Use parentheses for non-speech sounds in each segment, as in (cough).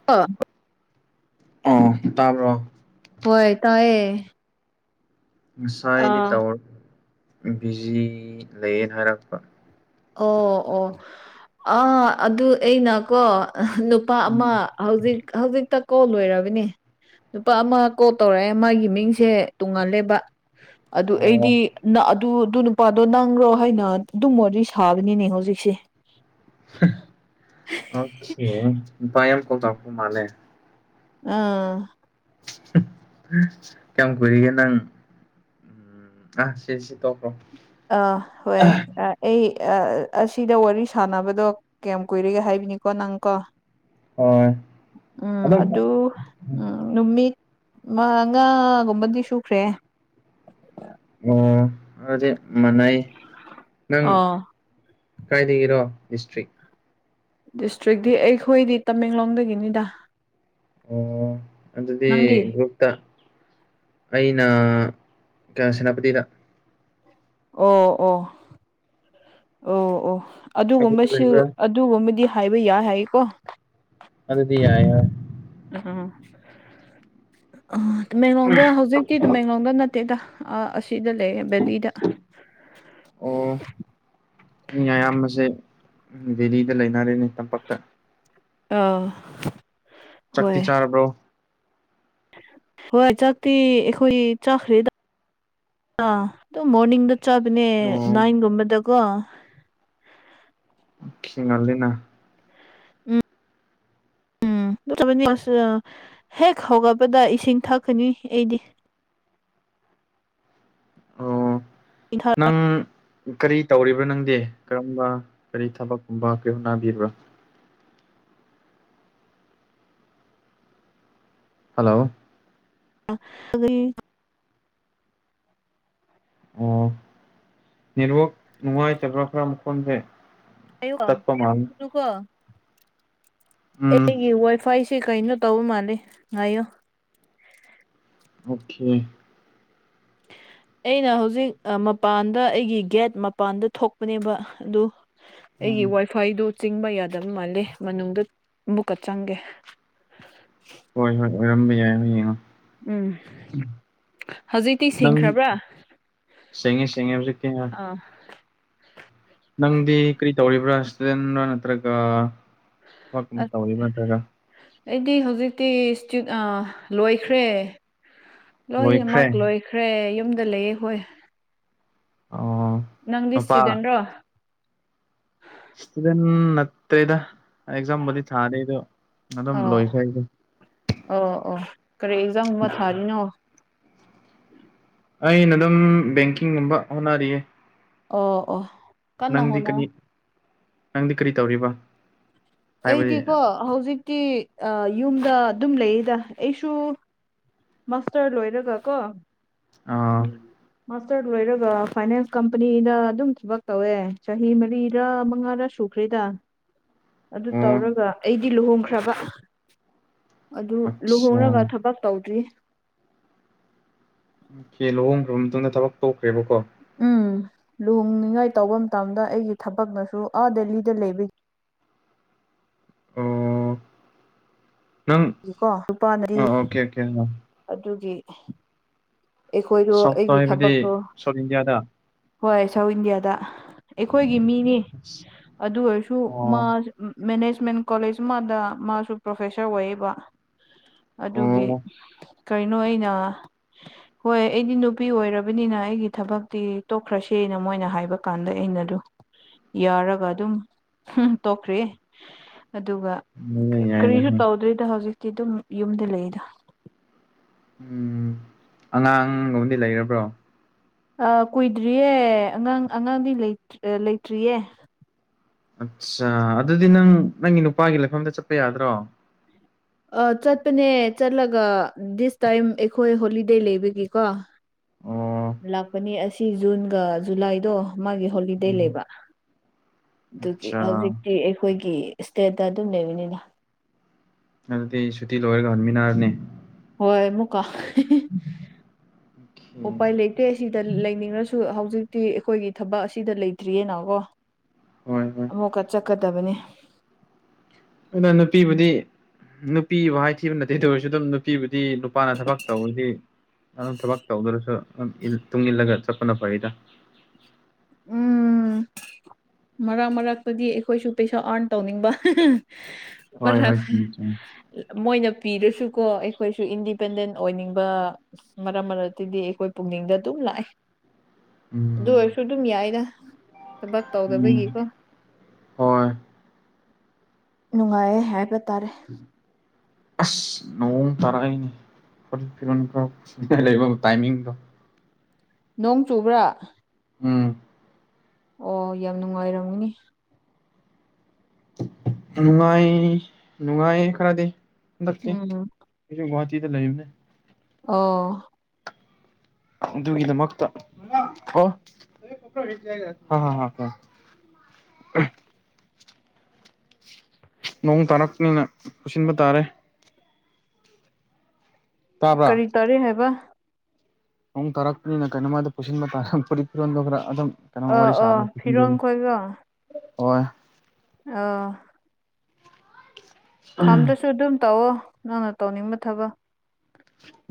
(unintelligible) ꯑꫭ ꯇꯥꯕ꯭ꯔꯣ꯫ ꯍꯣꯏ ꯇꯥꯏꯑꯦ꯫ ꯉꯁꯥꯏꯗꯤ ꯇꯧꯔ ꯕꯤꯖꯤ ꯂꯩꯌꯦꯅ ꯍꯥꯏꯔꯛꯄ꯫ ꯑꯣ ꯑꯣ ꯑ ꯑꯗꯨ ꯑꯩꯅꯀꯣ ꯅꯨꯄꯥ ꯑꯃ ꯍꯧꯖꯤꯛ ꯍꯧꯖꯤꯛꯇ ꯀꯣꯜ ꯂꯣꯏꯔꯕꯅꯤ꯫ ꯅꯨꯄꯥ ꯑꯃ ꯀꯣꯜ ꯇꯧꯔꯛꯑꯦ ꯃꯥꯒꯤ ꯃꯤꯡꯁꯦ ꯇꯨꯡꯉꯜꯂꯦꯕ꯫ ꯑꯗꯨ ꯑꯣ ꯑꯩꯗꯤ ꯅ ꯑꯗꯨ ꯑꯗꯨ ꯅꯨꯄꯥꯗꯣ ꯅꯪꯔꯣ ꯍꯥꯏꯅ ꯑꯗꯨꯝ ꯋꯔꯤ ꯁ ꯁꯥꯕꯅꯤꯅꯦ ꯍꯧꯖꯤꯛꯁꯦ꯫ (inaudible) ꯑꯥ꯫ (unintelligible) ꯀꯌꯥꯝ ꯀꯨꯏꯔꯤꯒꯦ ꯅꯪ꯫ ꯑꯁ ꯁꯤꯁꯤ ꯇꯣꯛꯈ꯭ꯔꯣ꯫ ꯑ ꯍꯣꯏ ꯑ꯫ ꯑꯩ ꯑꯥ ꯑꯁꯤꯗ ꯋꯥꯔꯤ ꯁꯥꯟꯅꯕꯗꯣ ꯀꯌꯥꯝ ꯀꯨꯏꯔꯒꯦ ꯍꯥꯏꯕꯅꯤꯀꯣ ꯅꯪꯀꯣ꯫ ꯍꯣꯏ ꯎꯝ ꯑꯗꯨꯝ ꯑꯗꯨ ꯎꯝ ꯅꯨꯃꯤꯠ ꯃꯉꯥ ꯒꯨꯝꯕꯗꯤ ꯁꯨꯈ꯭ꯔꯦ꯫ ꯑꯣ ꯑꯗꯨꯗꯤ ꯃꯥꯅꯩ ꯅꯪ ꯑꯥ ꯅꯪ ꯀꯥꯏꯗꯒꯤꯔꯣ ꯗꯤꯁꯇ꯭ꯔꯤꯛ꯫ ꯗꯤꯁꯇ꯭ꯔꯤꯛꯗꯤ ꯑꯩꯈꯣꯏꯗꯤ ꯇꯃꯦꯡꯂꯣꯡꯗꯒꯤꯅꯤꯗ꯫ ꯑꯣ ꯑꯗꯨꯗꯤ ꯅꯪꯗꯤ ꯒꯨ꯭ꯔꯞ ꯇ ꯑꯩꯅ ꯀ ꯁꯦꯅꯥꯄꯇꯤꯗ ꯑꯣ ꯑꯣ ꯑꯣ ꯑꯣ ꯑꯗꯨꯗ ꯑꯗꯨꯒꯨꯝꯁꯨ ꯂꯩꯕ꯭ꯔꯥ ꯑꯠ__ ꯑꯗꯨꯒꯨꯝꯕꯗꯤ ꯍꯥꯏꯕ ꯌꯥꯏ ꯍꯥꯏꯌꯦꯀꯣ ꯑꯗꯨꯗꯤ ꯌꯥꯏ ꯍꯣꯏ ꯑꯍ ꯑ ꯇꯃꯦꯡꯂꯣꯡꯗ ꯍꯧꯖꯤꯛ ꯇꯤ ꯇꯃꯦꯡꯂꯣꯡꯗ ꯅꯠꯇꯦꯗ ꯑꯥ ꯑꯁꯤꯗ ꯂꯩꯌꯦ ꯕꯦꯂꯤꯗ ꯑꯣ ꯃꯤ ꯑꯌꯥꯝꯕꯁꯦ ꯗꯦꯂꯤꯗ ꯂꯩꯅꯔꯦꯅꯦ ꯇꯝꯄꯥꯛꯇ ꯑꯥ ꯆꯥꯛꯇꯤ ꯍꯣꯏ ꯆꯥꯔꯕ꯭ꯔꯣ ꯍꯣꯏ ꯆꯥꯛꯇꯤ ꯑꯩꯈꯣꯏ ꯆꯥꯈ꯭ꯔꯦ ꯗ ꯗꯥ ꯑꯗꯨꯝ ꯃꯣꯔꯅꯤꯡꯗ ꯆꯥꯕꯅꯦ ꯑꯣ ꯅꯥꯏꯟꯒꯨꯝꯕꯗꯀꯣ ꯑꯣꯈꯦ ꯉꯜꯂꯤꯅ ꯎꯝ ꯎꯝ (unintelligible) ꯍꯦꯛ ꯍꯧꯒꯠꯄꯗ ꯏꯁꯤꯡ ꯊꯛꯀꯅꯤ ꯑꯩꯗꯤ ꯑꯣ ꯏꯁꯤꯡ ꯅꯪ ꯀꯔꯤ ꯇꯧꯔꯤꯕ꯭ꯔꯥ ꯅꯪꯗꯤ ꯀꯔꯝꯕ ꯀꯔꯤ ꯊꯕꯛꯀꯨꯝꯕ ꯀꯔꯤ ꯍꯣꯠꯅꯕꯤꯕ꯭ꯔꯥ ꯍꯜꯂꯣ (unintelligible) ꯑꯣ ꯅꯦꯠꯋꯛ ꯅꯨꯡꯉꯥꯏꯇꯕ꯭ꯔꯥ ꯈꯔ ꯃꯈꯣꯟꯁꯦ ꯇꯠꯄ ꯃꯥꯜꯂꯦ ꯉꯥꯏꯌꯣꯀꯣ (unintelligible) ꯎꯝ ꯑꯩꯒꯤ ꯋꯥꯏꯐꯥꯏ ꯁꯦ__ ꯁꯤ ꯀꯩꯅꯣ ꯇꯧꯕ ꯃꯥꯜꯂꯤ ꯉꯥꯏꯌꯣ ꯑꯣꯀꯦ (inaudible) ꯑꯩꯅ ꯍꯧꯖꯤꯛ ꯑ ꯃꯄꯥꯟꯗ ꯑꯩꯒꯤ ꯒꯦꯠ ꯃꯄꯥꯟꯗ ꯊꯣꯛꯄꯅꯦꯕ ꯑꯗꯨ ꯑꯩꯒꯤ ꯎꯝ ꯋꯥꯏꯐꯥꯏꯗꯨ ꯆꯤꯡꯕ ꯌꯥꯗꯕ ꯃꯥꯜꯂꯦ ꯃꯅꯨꯡꯗ ꯑꯃꯨꯛꯀ ꯆꯪꯒꯦ ꯍꯣꯏ ꯍꯣꯏ ꯑꯣꯏꯔꯝꯕ ꯌꯥꯏ ꯍꯣꯏ ꯌꯦꯡꯉꯣ ꯎꯝ ꯍꯧꯖꯤꯛꯇꯤ ꯅꯪ ꯁꯤꯡꯈ꯭ꯔꯕ꯭ꯔꯥ ꯁꯦꯡꯉꯦ ꯁꯦꯡꯉꯦ ꯍꯧꯖꯤꯛꯇꯤ ꯌꯥꯝ ꯑꯥ ꯅꯪꯗꯤ ꯀꯔꯤ ꯇꯧꯔꯤꯕ꯭ꯔꯥ ꯏꯁꯇꯨꯗꯦꯟꯔꯥ ꯅꯠꯇ꯭ꯔꯒ ꯊꯕꯛꯀꯨꯝꯕ ꯑꯁ ꯇꯧꯔꯤꯕ꯭ꯔꯥ ꯅꯠꯇ꯭ꯔꯒ ꯑꯩꯗꯤ ꯍꯧꯖꯤꯛꯇꯤ ꯁ꯭ꯇꯨꯠ ꯑꯥ ꯂꯣꯏꯈ꯭ꯔꯦ ꯂꯣꯏꯈ꯭ꯔꯦ ꯂꯣꯏꯍꯤꯃꯛ ꯂꯣꯏꯈ꯭ꯔꯦ ꯌꯨꯝꯗ ꯂꯩꯌꯦ ꯍꯣꯏ ꯑꯣ ꯅꯪꯗꯤ ꯅꯨꯄꯥ ꯁ꯭ꯇꯨꯗꯦꯟꯔꯣ ꯁ꯭ꯇꯨꯗꯦꯟ ꯅꯠꯇꯦꯗꯥ ꯑꯦꯛꯖꯥꯝ ꯕꯨꯗꯤ ꯊꯥꯔꯤ ꯑꯗꯣ ꯑꯗꯨꯝ ꯑꯣ ꯂꯣꯏꯈ꯭ꯔꯦ ꯑꯩꯗꯣ ꯑꯣ ꯑꯣ ꯀꯔꯤ ꯑꯦꯛꯖꯥꯝꯒꯨꯝꯕ ꯊꯥꯔꯤꯅꯣ ꯑꯩꯅ ꯑꯗꯨꯝ ꯕꯦꯡꯀꯤꯡꯒꯨꯝꯕ ꯍꯣꯠꯅꯔꯤꯌꯦ ꯑꯣ ꯑꯣ ꯀꯟꯅ ꯅꯪꯗꯤ ꯍꯣꯠꯅꯧ ꯀꯔꯤ ꯅꯪꯗꯤ ꯀꯔꯤ ꯇꯧꯔꯤꯕ ꯍꯥꯏꯕꯗꯤ ꯑꯩꯗꯤꯀꯣ ꯍꯧꯖꯤꯛꯇꯤ ꯑ ꯌꯨꯝꯗ ꯑꯗꯨꯝ ꯂꯩꯌꯦꯗ ꯑꯩꯁꯨ ꯃꯥꯁꯇꯔ ꯂꯣꯏꯔꯒ ꯀꯣ ꯑ (unintelligible) ꯃꯥꯁꯇꯔ ꯂꯣꯏꯔꯒ ꯐꯥꯏꯅꯥꯟꯁ ꯀꯝꯄꯅꯤꯗ ꯑꯗꯨꯝ ꯊꯕꯛ ꯇꯧꯋꯦ ꯆꯍꯤ ꯃꯔꯤꯔ ꯃꯉꯥꯔ ꯁꯨ__ ꯈ꯭ꯔꯦꯗꯥ (inaudible) ꯑꯗꯨ ꯑꯣ ꯇꯧꯔꯒ ꯑꯩꯗꯤ ꯂꯨꯍꯣꯡꯈ꯭ꯔꯕ ꯑꯗꯨ ꯑꯠꯁꯥ ꯂꯨꯍꯣꯡꯔꯒ ꯊꯕꯛ ꯇꯧꯗ꯭ꯔꯤ ꯑꯣ ꯀꯦ ꯂꯨꯍꯣꯡꯈ꯭ꯔꯕ ꯃꯇꯨꯡꯗ ꯊꯕꯛ ꯇꯧꯈ꯭ꯔꯦꯕꯀꯣ ꯎꯝ ꯂꯨꯍꯅꯤꯉꯥꯏ ꯇꯧꯕ ꯃꯇꯝꯗ ꯑꯩꯒꯤ ꯊꯕꯛꯅꯁꯨ ꯑꯥ ꯗꯦꯜꯂꯤꯗ ꯂꯩꯕꯒꯤ ꯑꯣ ꯅꯪ ꯂꯩꯕꯒꯤꯀꯣ ꯅꯨꯄꯥꯅꯗꯤ ꯑ ꯑꯣꯀꯦ ꯑꯣꯀꯦ ꯑꯗꯨꯒꯤ ꯑꯩꯈꯣꯏꯗꯣ ꯁꯥꯎꯠꯇ ꯑꯩꯒꯤ ꯍꯥꯏꯕꯗꯤ ꯊꯕꯛꯇꯣ ꯁꯥꯎꯠ ꯏꯟꯗꯤꯌꯥꯗ ꯍꯣꯏ ꯁꯥꯎꯠ ꯏꯟꯗꯤꯌꯥꯗ ꯑꯩꯈꯣꯏꯒꯤ ꯃꯤꯅꯤ ꯑꯗꯨ ꯑꯣꯏꯔꯁꯨ ꯑꯣ ꯃꯥ ꯃꯦꯅꯦꯖꯃꯦꯟ ꯀꯣꯂꯦꯖ ꯑꯃꯗ ꯃꯥꯁꯨ ꯄ꯭ꯔꯣꯐꯦꯁꯔ ꯑꯣꯏꯌꯦꯕ ꯑꯗꯨꯒꯤ ꯑꯣ ꯀꯩꯅꯣ ꯑꯩꯅ ꯍꯣꯏ ꯑꯩꯗꯤ ꯅꯨꯄꯤ ꯑꯣꯏꯔꯕꯅꯤꯅ ꯑꯩꯒꯤ ꯊꯕꯛꯇꯤ ꯇꯣꯛꯈ꯭ꯔꯁꯦꯅ ꯃꯣꯏꯅ ꯍꯥꯏꯕ ꯀꯥꯟꯗ ꯑꯩꯅ ꯑꯗꯨ ꯌꯥꯎꯔꯒ ꯑꯗꯨꯝ ꯇꯣꯛꯈ꯭ꯔꯦ ꯑꯗꯨꯒ ꯌꯥꯏꯗ ꯌꯥꯏꯗ ꯀꯔꯤꯁꯨ ꯇꯧꯗꯣꯏꯗ ꯍꯧꯖꯤꯛꯇꯤ ꯑꯗꯨꯝ ꯌꯨꯝꯗ ꯂꯩꯔꯤꯗ ꯎꯝ ꯑꯉꯥꯡꯒꯕꯨꯗꯤ ꯂꯩꯔꯕ꯭ꯔꯣ ꯑ ꯀꯨꯏꯗ꯭ꯔꯤꯌꯦ ꯑꯉꯥꯡ ꯑꯉꯥꯡꯗꯤ ꯂꯩꯇ꯭ꯔꯤꯌꯦ ꯑꯠꯆꯥ ꯑꯗꯨꯗꯤ ꯅꯪ ꯅꯪꯒꯤ ꯅꯨꯄꯥꯒꯤ ꯂꯩꯐꯝꯗ ꯆꯠꯄ ꯌꯥꯗ꯭ꯔꯣ ꯑ ꯆꯠꯄꯅꯦ ꯆꯠꯂꯒ ꯗꯤꯁ ꯇꯥꯏꯝ ꯑꯩꯈꯣꯏ ꯍꯣꯂꯤꯗꯦ ꯂꯩꯕꯒꯤꯀꯣ ꯑꯣ ꯂꯥꯛꯄꯅꯤ ꯑꯁꯤ ꯖꯨꯟꯒ ꯖꯨꯂꯥꯏꯗꯣ ꯃꯥꯒꯤ ꯍꯣꯂꯤꯗꯦ ꯂꯩꯕ ꯑꯗꯨꯒꯤ ꯑꯠꯆꯥ ꯍꯧꯖꯤꯛꯇꯤ ꯑꯩꯈꯣꯏꯒꯤ ꯏꯁꯇꯦꯠꯇ ꯑꯗꯨꯝ ꯂꯩꯕꯅꯤꯅ ꯑꯗꯗꯤꯇꯩ ꯁꯨꯇꯤ ꯂꯣꯏ ꯑꯣꯏꯔꯒ ꯈꯔꯃꯤꯅꯥꯔꯅꯦ ꯍꯣꯏ ꯃꯨꯀꯥ ꯑꯣꯀꯦ ꯑꯣꯄꯥꯏ ꯂꯩ ꯠꯇꯦ ꯁꯤꯗ ꯂꯩꯅꯤꯡꯔꯁꯨ ꯍꯧꯖꯤꯛꯇꯤ ꯑꯩꯈꯣꯏꯒꯤ ꯊꯕꯛ ꯑꯁꯤꯗ ꯂꯩꯇ꯭ꯔꯤꯌꯦꯅꯀꯣ ꯍꯣꯏ ꯍꯣꯏ ꯑꯃꯨꯛꯀ ꯆꯠꯀꯗꯕꯅꯤ ꯑꯗꯨꯅ ꯅꯨꯄꯤꯕꯨꯗꯤ ꯅꯨꯄꯤꯕꯨ ꯍꯥꯏꯊꯤꯕ ꯅꯠꯇꯦ ꯇ ꯑꯣꯏꯔꯁꯨ ꯑꯗꯨꯝ ꯅꯨꯄꯤꯕꯨꯗꯤ ꯅꯨꯄꯥꯅ ꯊꯕꯛ ꯇꯧꯋꯗꯤ ꯑꯗꯨꯝ ꯊꯕꯛ ꯇꯧꯗ꯭ꯔꯁꯨ ꯇꯨꯡ ꯏꯜꯂꯒ ꯆꯠꯄꯅ ꯐꯔꯏꯗ ꯎꯝ ꯃꯔꯛ ꯃꯔꯛꯇꯗꯤ ꯑꯩꯈꯣꯏꯁꯨ ꯄꯩꯁꯥ ꯑꯥꯔꯟ ꯇꯧꯅꯤꯡꯕ ꯍꯣꯏ ꯔꯕꯔ ꯍꯣꯏ ꯆꯨꯝꯃꯤ ꯆꯨꯝꯃꯤ ꯃꯣꯏꯅ ꯄꯤꯔꯁꯨꯀꯣ ꯑꯩꯈꯣꯏꯁꯨ ꯏꯟꯗꯤꯄꯦꯟꯗꯦꯟ ꯑꯣꯏꯅꯤꯡꯕ ꯃꯔꯛ ꯃꯔꯛꯇꯗꯤ ꯑꯩꯈꯣꯏ ꯄꯨꯛꯅꯤꯡꯗ ꯑꯗꯨꯝ ꯂꯥꯛꯑꯦ ꯎꯝ ꯗꯨ ꯑꯣꯏꯔꯁꯨ ꯗꯨꯝ ꯌꯥꯏꯗ ꯊꯕꯛ ꯎꯝ ꯇꯧꯗꯕꯒꯤꯀꯣ ꯍꯣꯏ ꯅꯨꯡꯉꯥꯏꯌꯦ ꯍꯥꯏꯕ ꯇꯥꯔꯦ ꯑꯁ ꯅꯣꯡ ꯇꯔꯛꯑꯦꯅꯦ ꯐꯨꯔꯤꯠ ꯐꯤꯔꯣꯟ ꯈꯔ ꯁꯨꯅꯤꯡꯉꯥꯏ ꯂꯩꯕ ꯇꯥꯏꯃꯤꯡꯗꯣ ꯅꯣꯡ ꯆꯨꯕ꯭ꯔꯥ ꯎꯝ ꯑꯣ ꯌꯥꯝ ꯅꯨꯡꯉꯥꯏꯔꯝꯒꯅꯤ ꯅꯣꯏ ꯅꯨꯡꯉꯥꯏ ꯈꯔꯗꯤ ꯍꯟꯗꯛꯇꯤ ꯎꯝ ꯑꯩꯖꯨ ꯒꯨꯍꯥꯇꯤꯗ ꯂꯩꯕꯅꯦ ꯑꯣ ꯑꯗꯨꯒꯤꯗꯃꯛꯇ ꯑꯣ (unintelligible) ꯅꯣꯡ ꯇꯥꯔꯛꯄꯅꯤꯅ ꯄꯨꯁꯤꯟꯕ ꯇꯥꯔꯦ ꯇꯥꯕ꯭ꯔꯥ ꯀꯔꯤ ꯇꯥꯔꯤ ꯍꯥꯏꯕ ꯅꯣꯡ ꯇꯥꯔꯛꯄꯅꯤꯅ ꯀꯩꯅꯣꯃꯗꯨ ꯄꯨꯁꯤꯟꯕ ꯇꯥꯔ ꯐꯨꯔꯤꯠ ꯐꯤꯔꯣꯟꯗꯣ ꯈꯔ ꯑꯗꯨꯝ ꯀꯩꯅꯣ ꯑ ꯋꯥꯔꯤ ꯑ ꯁꯥꯅꯤ ꯐꯤꯔꯣꯟ (unintelligible) ꯍꯣꯏ ꯑ ꯊꯝꯗꯔ꯭ꯁꯨ ꯑꯗꯨꯝ ꯇꯧꯑꯣ ꯅꯪꯅ ꯇꯧꯅꯤꯡꯕ ꯊꯕꯛ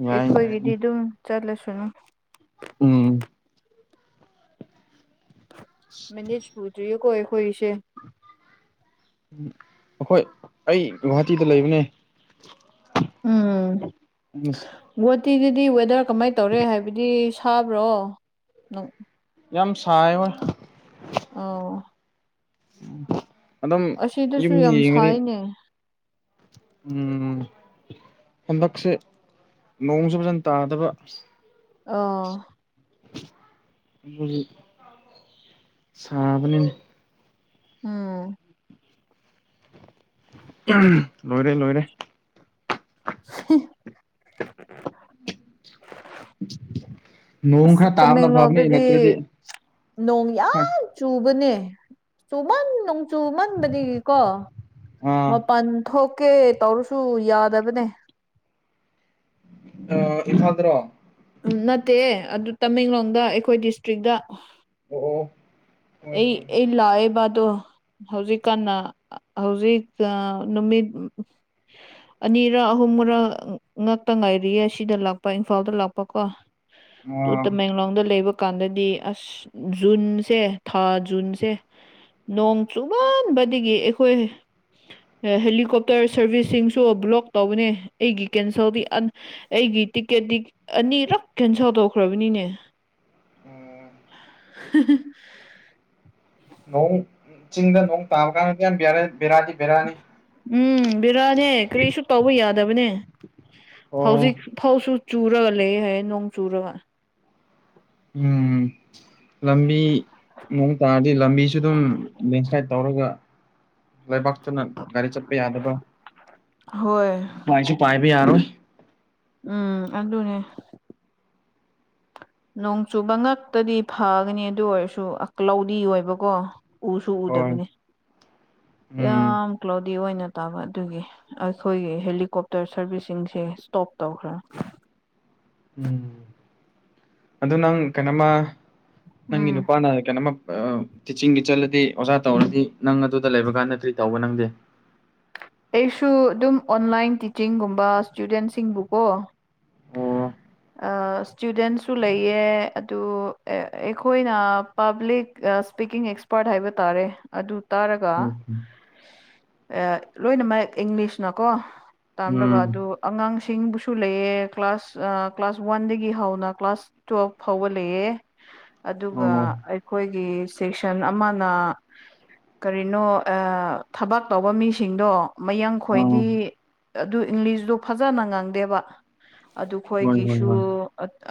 ꯌꯥꯏ ꯌꯥꯏ ꯑꯩꯈꯣꯏꯒꯤꯗꯤꯗꯨꯝ ꯆꯠꯂꯁꯅꯨ ꯎꯝ ꯃꯤꯅꯤꯠ ꯁꯨꯗꯔ꯭ꯤꯌꯦꯀꯣ ꯑꯩꯈꯣꯏꯒꯤꯁꯦ ꯑꯈꯣꯏ ꯑꯩ ꯒꯨꯍꯥꯇꯤꯗ ꯂꯩꯕꯅꯦ ꯎꯝ ꯒꯨꯋꯥꯇꯤꯗꯗꯤ ꯋꯦꯗꯔ ꯀꯃꯥꯏ ꯇꯧꯔꯦ ꯍꯥꯏꯕꯗꯤ ꯁꯥꯕ꯭ꯔꯣ ꯅꯣꯡ ꯌꯥꯝ ꯁꯥꯏ ꯍꯣꯏ ꯑꯧ ꯑꯗꯨꯝ ꯑꯁꯤꯗꯁꯨ ꯌꯨꯝꯗ ꯌꯥꯝ ꯌꯦꯡꯉꯅꯤ ꯁꯥꯏꯅꯦ ꯎꯝ ꯍꯟꯗꯛꯁꯦ ꯅꯣꯡꯁꯨ ꯐꯖꯅ ꯇꯥꯗꯕ ꯑꯣ ꯁꯥꯕꯅꯤꯅꯦ ꯎꯝ ꯂꯣꯏꯔꯦ ꯂꯣꯏꯔꯦ (unintelligible) ꯅꯣꯡ ꯑꯁ ꯈꯔ ꯇꯥꯕꯅ ꯐꯕꯅꯦ ꯅꯠꯇ꯭ꯔꯗꯤ ꯇꯃꯦꯡꯂꯣꯡꯗꯗꯤ ꯅꯣꯡ ꯌꯥꯝ ꯆꯨꯕꯅꯦ ꯆꯨꯃꯟ ꯅꯣꯡ ꯆꯨꯃꯟꯕꯗꯒꯤꯀꯣ ꯑꯥ ꯃꯄꯟ ꯊꯣꯛꯀꯦ ꯇꯧꯔꯁꯨ ꯌꯥꯗꯕꯅꯦ ꯑꯥ ꯏꯝꯐꯥꯜꯗꯔꯣ ꯎꯝ ꯅꯠꯇꯦ ꯑꯗꯨ ꯇꯃꯦꯡꯂꯣꯡꯗ ꯑꯩꯈꯣꯏ ꯗꯤꯁꯇ꯭ꯔꯤꯛꯗ ꯑꯣ ꯑꯣ ꯍꯣꯏ ꯍꯣꯏ ꯑꯩ ꯍꯣꯏ ꯑꯩ ꯂꯥꯑꯦꯕꯗꯣ ꯍꯧꯖꯤꯛꯀꯟꯅ ꯍꯧꯖꯤꯛ ꯅꯨꯃꯤꯠ ꯑꯅꯤꯔ ꯑꯍꯨꯝꯔ ꯉꯛꯇ ꯉꯥꯏꯔꯤꯌꯦ ꯁꯤꯗ ꯂꯥꯛꯄ ꯏꯝꯐꯥꯜꯗ ꯂꯥꯛꯄꯀꯣ ꯗꯨ ꯑꯥ ꯇꯃꯦꯡꯂꯣꯡꯗ ꯂꯩꯕ ꯀꯥꯟꯗꯗꯤ ꯑꯁ ꯖꯨꯟꯁꯦ ꯊꯥ ꯖꯨꯟꯁꯦ ꯅꯣꯡ ꯆꯨꯃꯟꯕꯗꯒꯤ ꯑꯩꯈꯣꯏ ꯍꯦꯂꯤꯀꯣꯞꯇꯔ ꯁꯔꯚꯤꯁꯁꯤꯡꯁꯨ ꯕ꯭ꯂꯣꯛ ꯇꯧꯕꯅꯦ ꯑꯩꯒꯤ ꯀꯦꯟꯁꯦꯜꯗꯤ ꯑꯟ ꯑꯩꯒꯤ ꯇꯤꯛꯀꯦꯠꯇꯤ ꯑꯅꯤꯔꯛ ꯀꯦꯟꯁꯦꯜ ꯇꯧꯈ꯭ꯔꯕꯅꯤꯅꯦ ꯍꯤ ꯍꯤ ꯅꯣꯡ ꯆꯤꯡꯗ ꯅꯣꯡ ꯇꯥꯕ ꯀꯥꯟꯗ ꯌꯥꯝ ꯕꯦꯔꯥꯗꯤ ꯕꯦꯔꯥꯅꯤ ꯕꯦꯔꯥꯅꯤ ꯎꯝ ꯕꯤꯔꯥꯅꯦ ꯀꯔꯤꯁꯨ ꯇꯧꯕ ꯌꯥꯗꯕꯅꯦ ꯑꯣ ꯍꯧꯖꯤꯛ ꯐꯧꯁꯨ ꯆꯨꯔꯒ ꯂꯩ ꯍꯥꯏꯌꯦ ꯅꯣꯡ ꯆꯨꯔꯒ ꯎꯝ ꯂꯝꯕꯤ ꯅꯣꯡ ꯇꯥꯔꯗꯤ ꯂꯝꯕꯤꯁꯨ ꯑꯗꯨꯝ ꯂꯦꯟꯁ꯭ꯂꯥꯏꯠ ꯇꯧꯔꯒ ꯂꯕꯥꯛꯇꯨꯅ ꯒꯥꯔꯤ ꯆꯠꯄ ꯌꯥꯗꯕ ꯍꯣꯏ ꯄꯥꯏꯁꯨ ꯄꯥꯏꯕ ꯌꯥꯔꯣꯏ ꯎꯝ ꯑꯗꯨꯅꯦ ꯅꯣꯡ ꯆꯨꯕ ꯉꯛꯇꯗꯤ ꯐꯒꯅꯤ ꯑꯗꯨ ꯑꯣꯏꯔꯁꯨ ꯑꯂꯥꯎꯗꯤ ꯑꯣꯏꯕꯀꯣ ꯎꯁꯨ ꯍꯣꯏ ꯎꯗꯕꯅꯤ ꯎꯝ ꯌꯥꯝ ꯀ꯭ꯂꯥꯎꯗꯤ ꯑꯣꯏꯅ ꯇꯥꯕ ꯑꯗꯨꯒꯤ ꯑꯩꯈꯣꯏꯒꯤ ꯍꯦꯂꯤꯀꯣꯞꯇꯔ ꯁꯥꯔꯚꯤꯁꯁꯤꯡꯁꯦ ꯁꯇꯣꯞ ꯇꯧꯈ꯭ꯔꯝ ꯎꯝ ꯑꯗꯣ ꯅꯪ ꯀꯩꯅꯣꯃ ꯅꯪꯒꯤ ꯎꯝ ꯅꯨꯄꯥꯅ ꯀꯩꯅꯣꯃ ꯇꯤꯆꯤꯡꯒꯤ ꯆꯠꯂꯗꯤ ꯑꯣꯖꯥ ꯇꯧꯔꯗꯤ ꯅꯪ ꯑꯗꯨꯗ ꯂꯩꯕꯀꯥꯟ ꯀ꯭ꯔꯤ ꯇꯧꯕ ꯅꯪꯗꯤ ꯑꯩꯁꯨ ꯑꯗꯨꯝ ꯑꯣꯟꯂꯥꯏꯟ ꯇꯤꯆꯤꯡꯒꯨꯝꯕ ꯁꯇꯨꯗꯦꯟꯁꯤꯡꯕꯨꯀꯣ ꯑꯣ ꯁꯇꯨꯗꯦꯟꯁꯨ ꯂꯩꯌꯦ ꯑꯗꯨ ꯑꯩꯈꯣꯏꯅ ꯄꯥꯕ꯭ꯂꯤꯛ ꯁ꯭ꯄꯤꯀꯤꯡ ꯑꯦꯛꯁꯄꯥꯔꯠ ꯍꯥꯏꯕ ꯇꯥꯔꯦ ꯑꯗꯨ ꯇꯥꯔꯒ ꯂꯣꯏꯅꯃꯛ ꯑ ꯏꯪꯂꯤꯁꯅꯀꯣ ꯇꯥꯝꯔꯒ ꯎꯝ ꯑꯗꯨ ꯑꯉꯥꯡꯁꯤꯡꯕꯨꯁꯨ ꯂꯩꯌꯦ ꯀ꯭ꯂꯥꯁ ꯑ ꯀ꯭ꯂꯥꯁ ꯋꯥꯟꯗꯒꯤ ꯍꯧꯅ ꯀ꯭ꯂꯥꯁ ꯇꯨꯋꯦꯜꯐ ꯐꯥꯎꯕ ꯂꯩꯌꯦ ꯑꯣ ꯑꯗꯨꯒ ꯑꯩꯈꯣꯏꯒꯤ ꯁꯦꯛꯁꯟ ꯑꯃꯅ ꯀꯔꯤꯅꯣ ꯑ ꯊꯕꯛ ꯇꯧꯕ ꯃꯤ ꯁꯤꯡꯗꯣ ꯃꯌꯥꯡ ꯑꯣ ꯈꯣꯏꯗꯤ ꯑꯗꯨ ꯏꯪꯂꯤꯁꯇꯣ ꯐꯖꯅ ꯉꯪꯗꯦꯕ ꯍꯣꯏ ꯍꯣꯏ ꯑꯗꯨꯈꯣꯏꯒꯤꯁꯨ ꯍꯣꯏ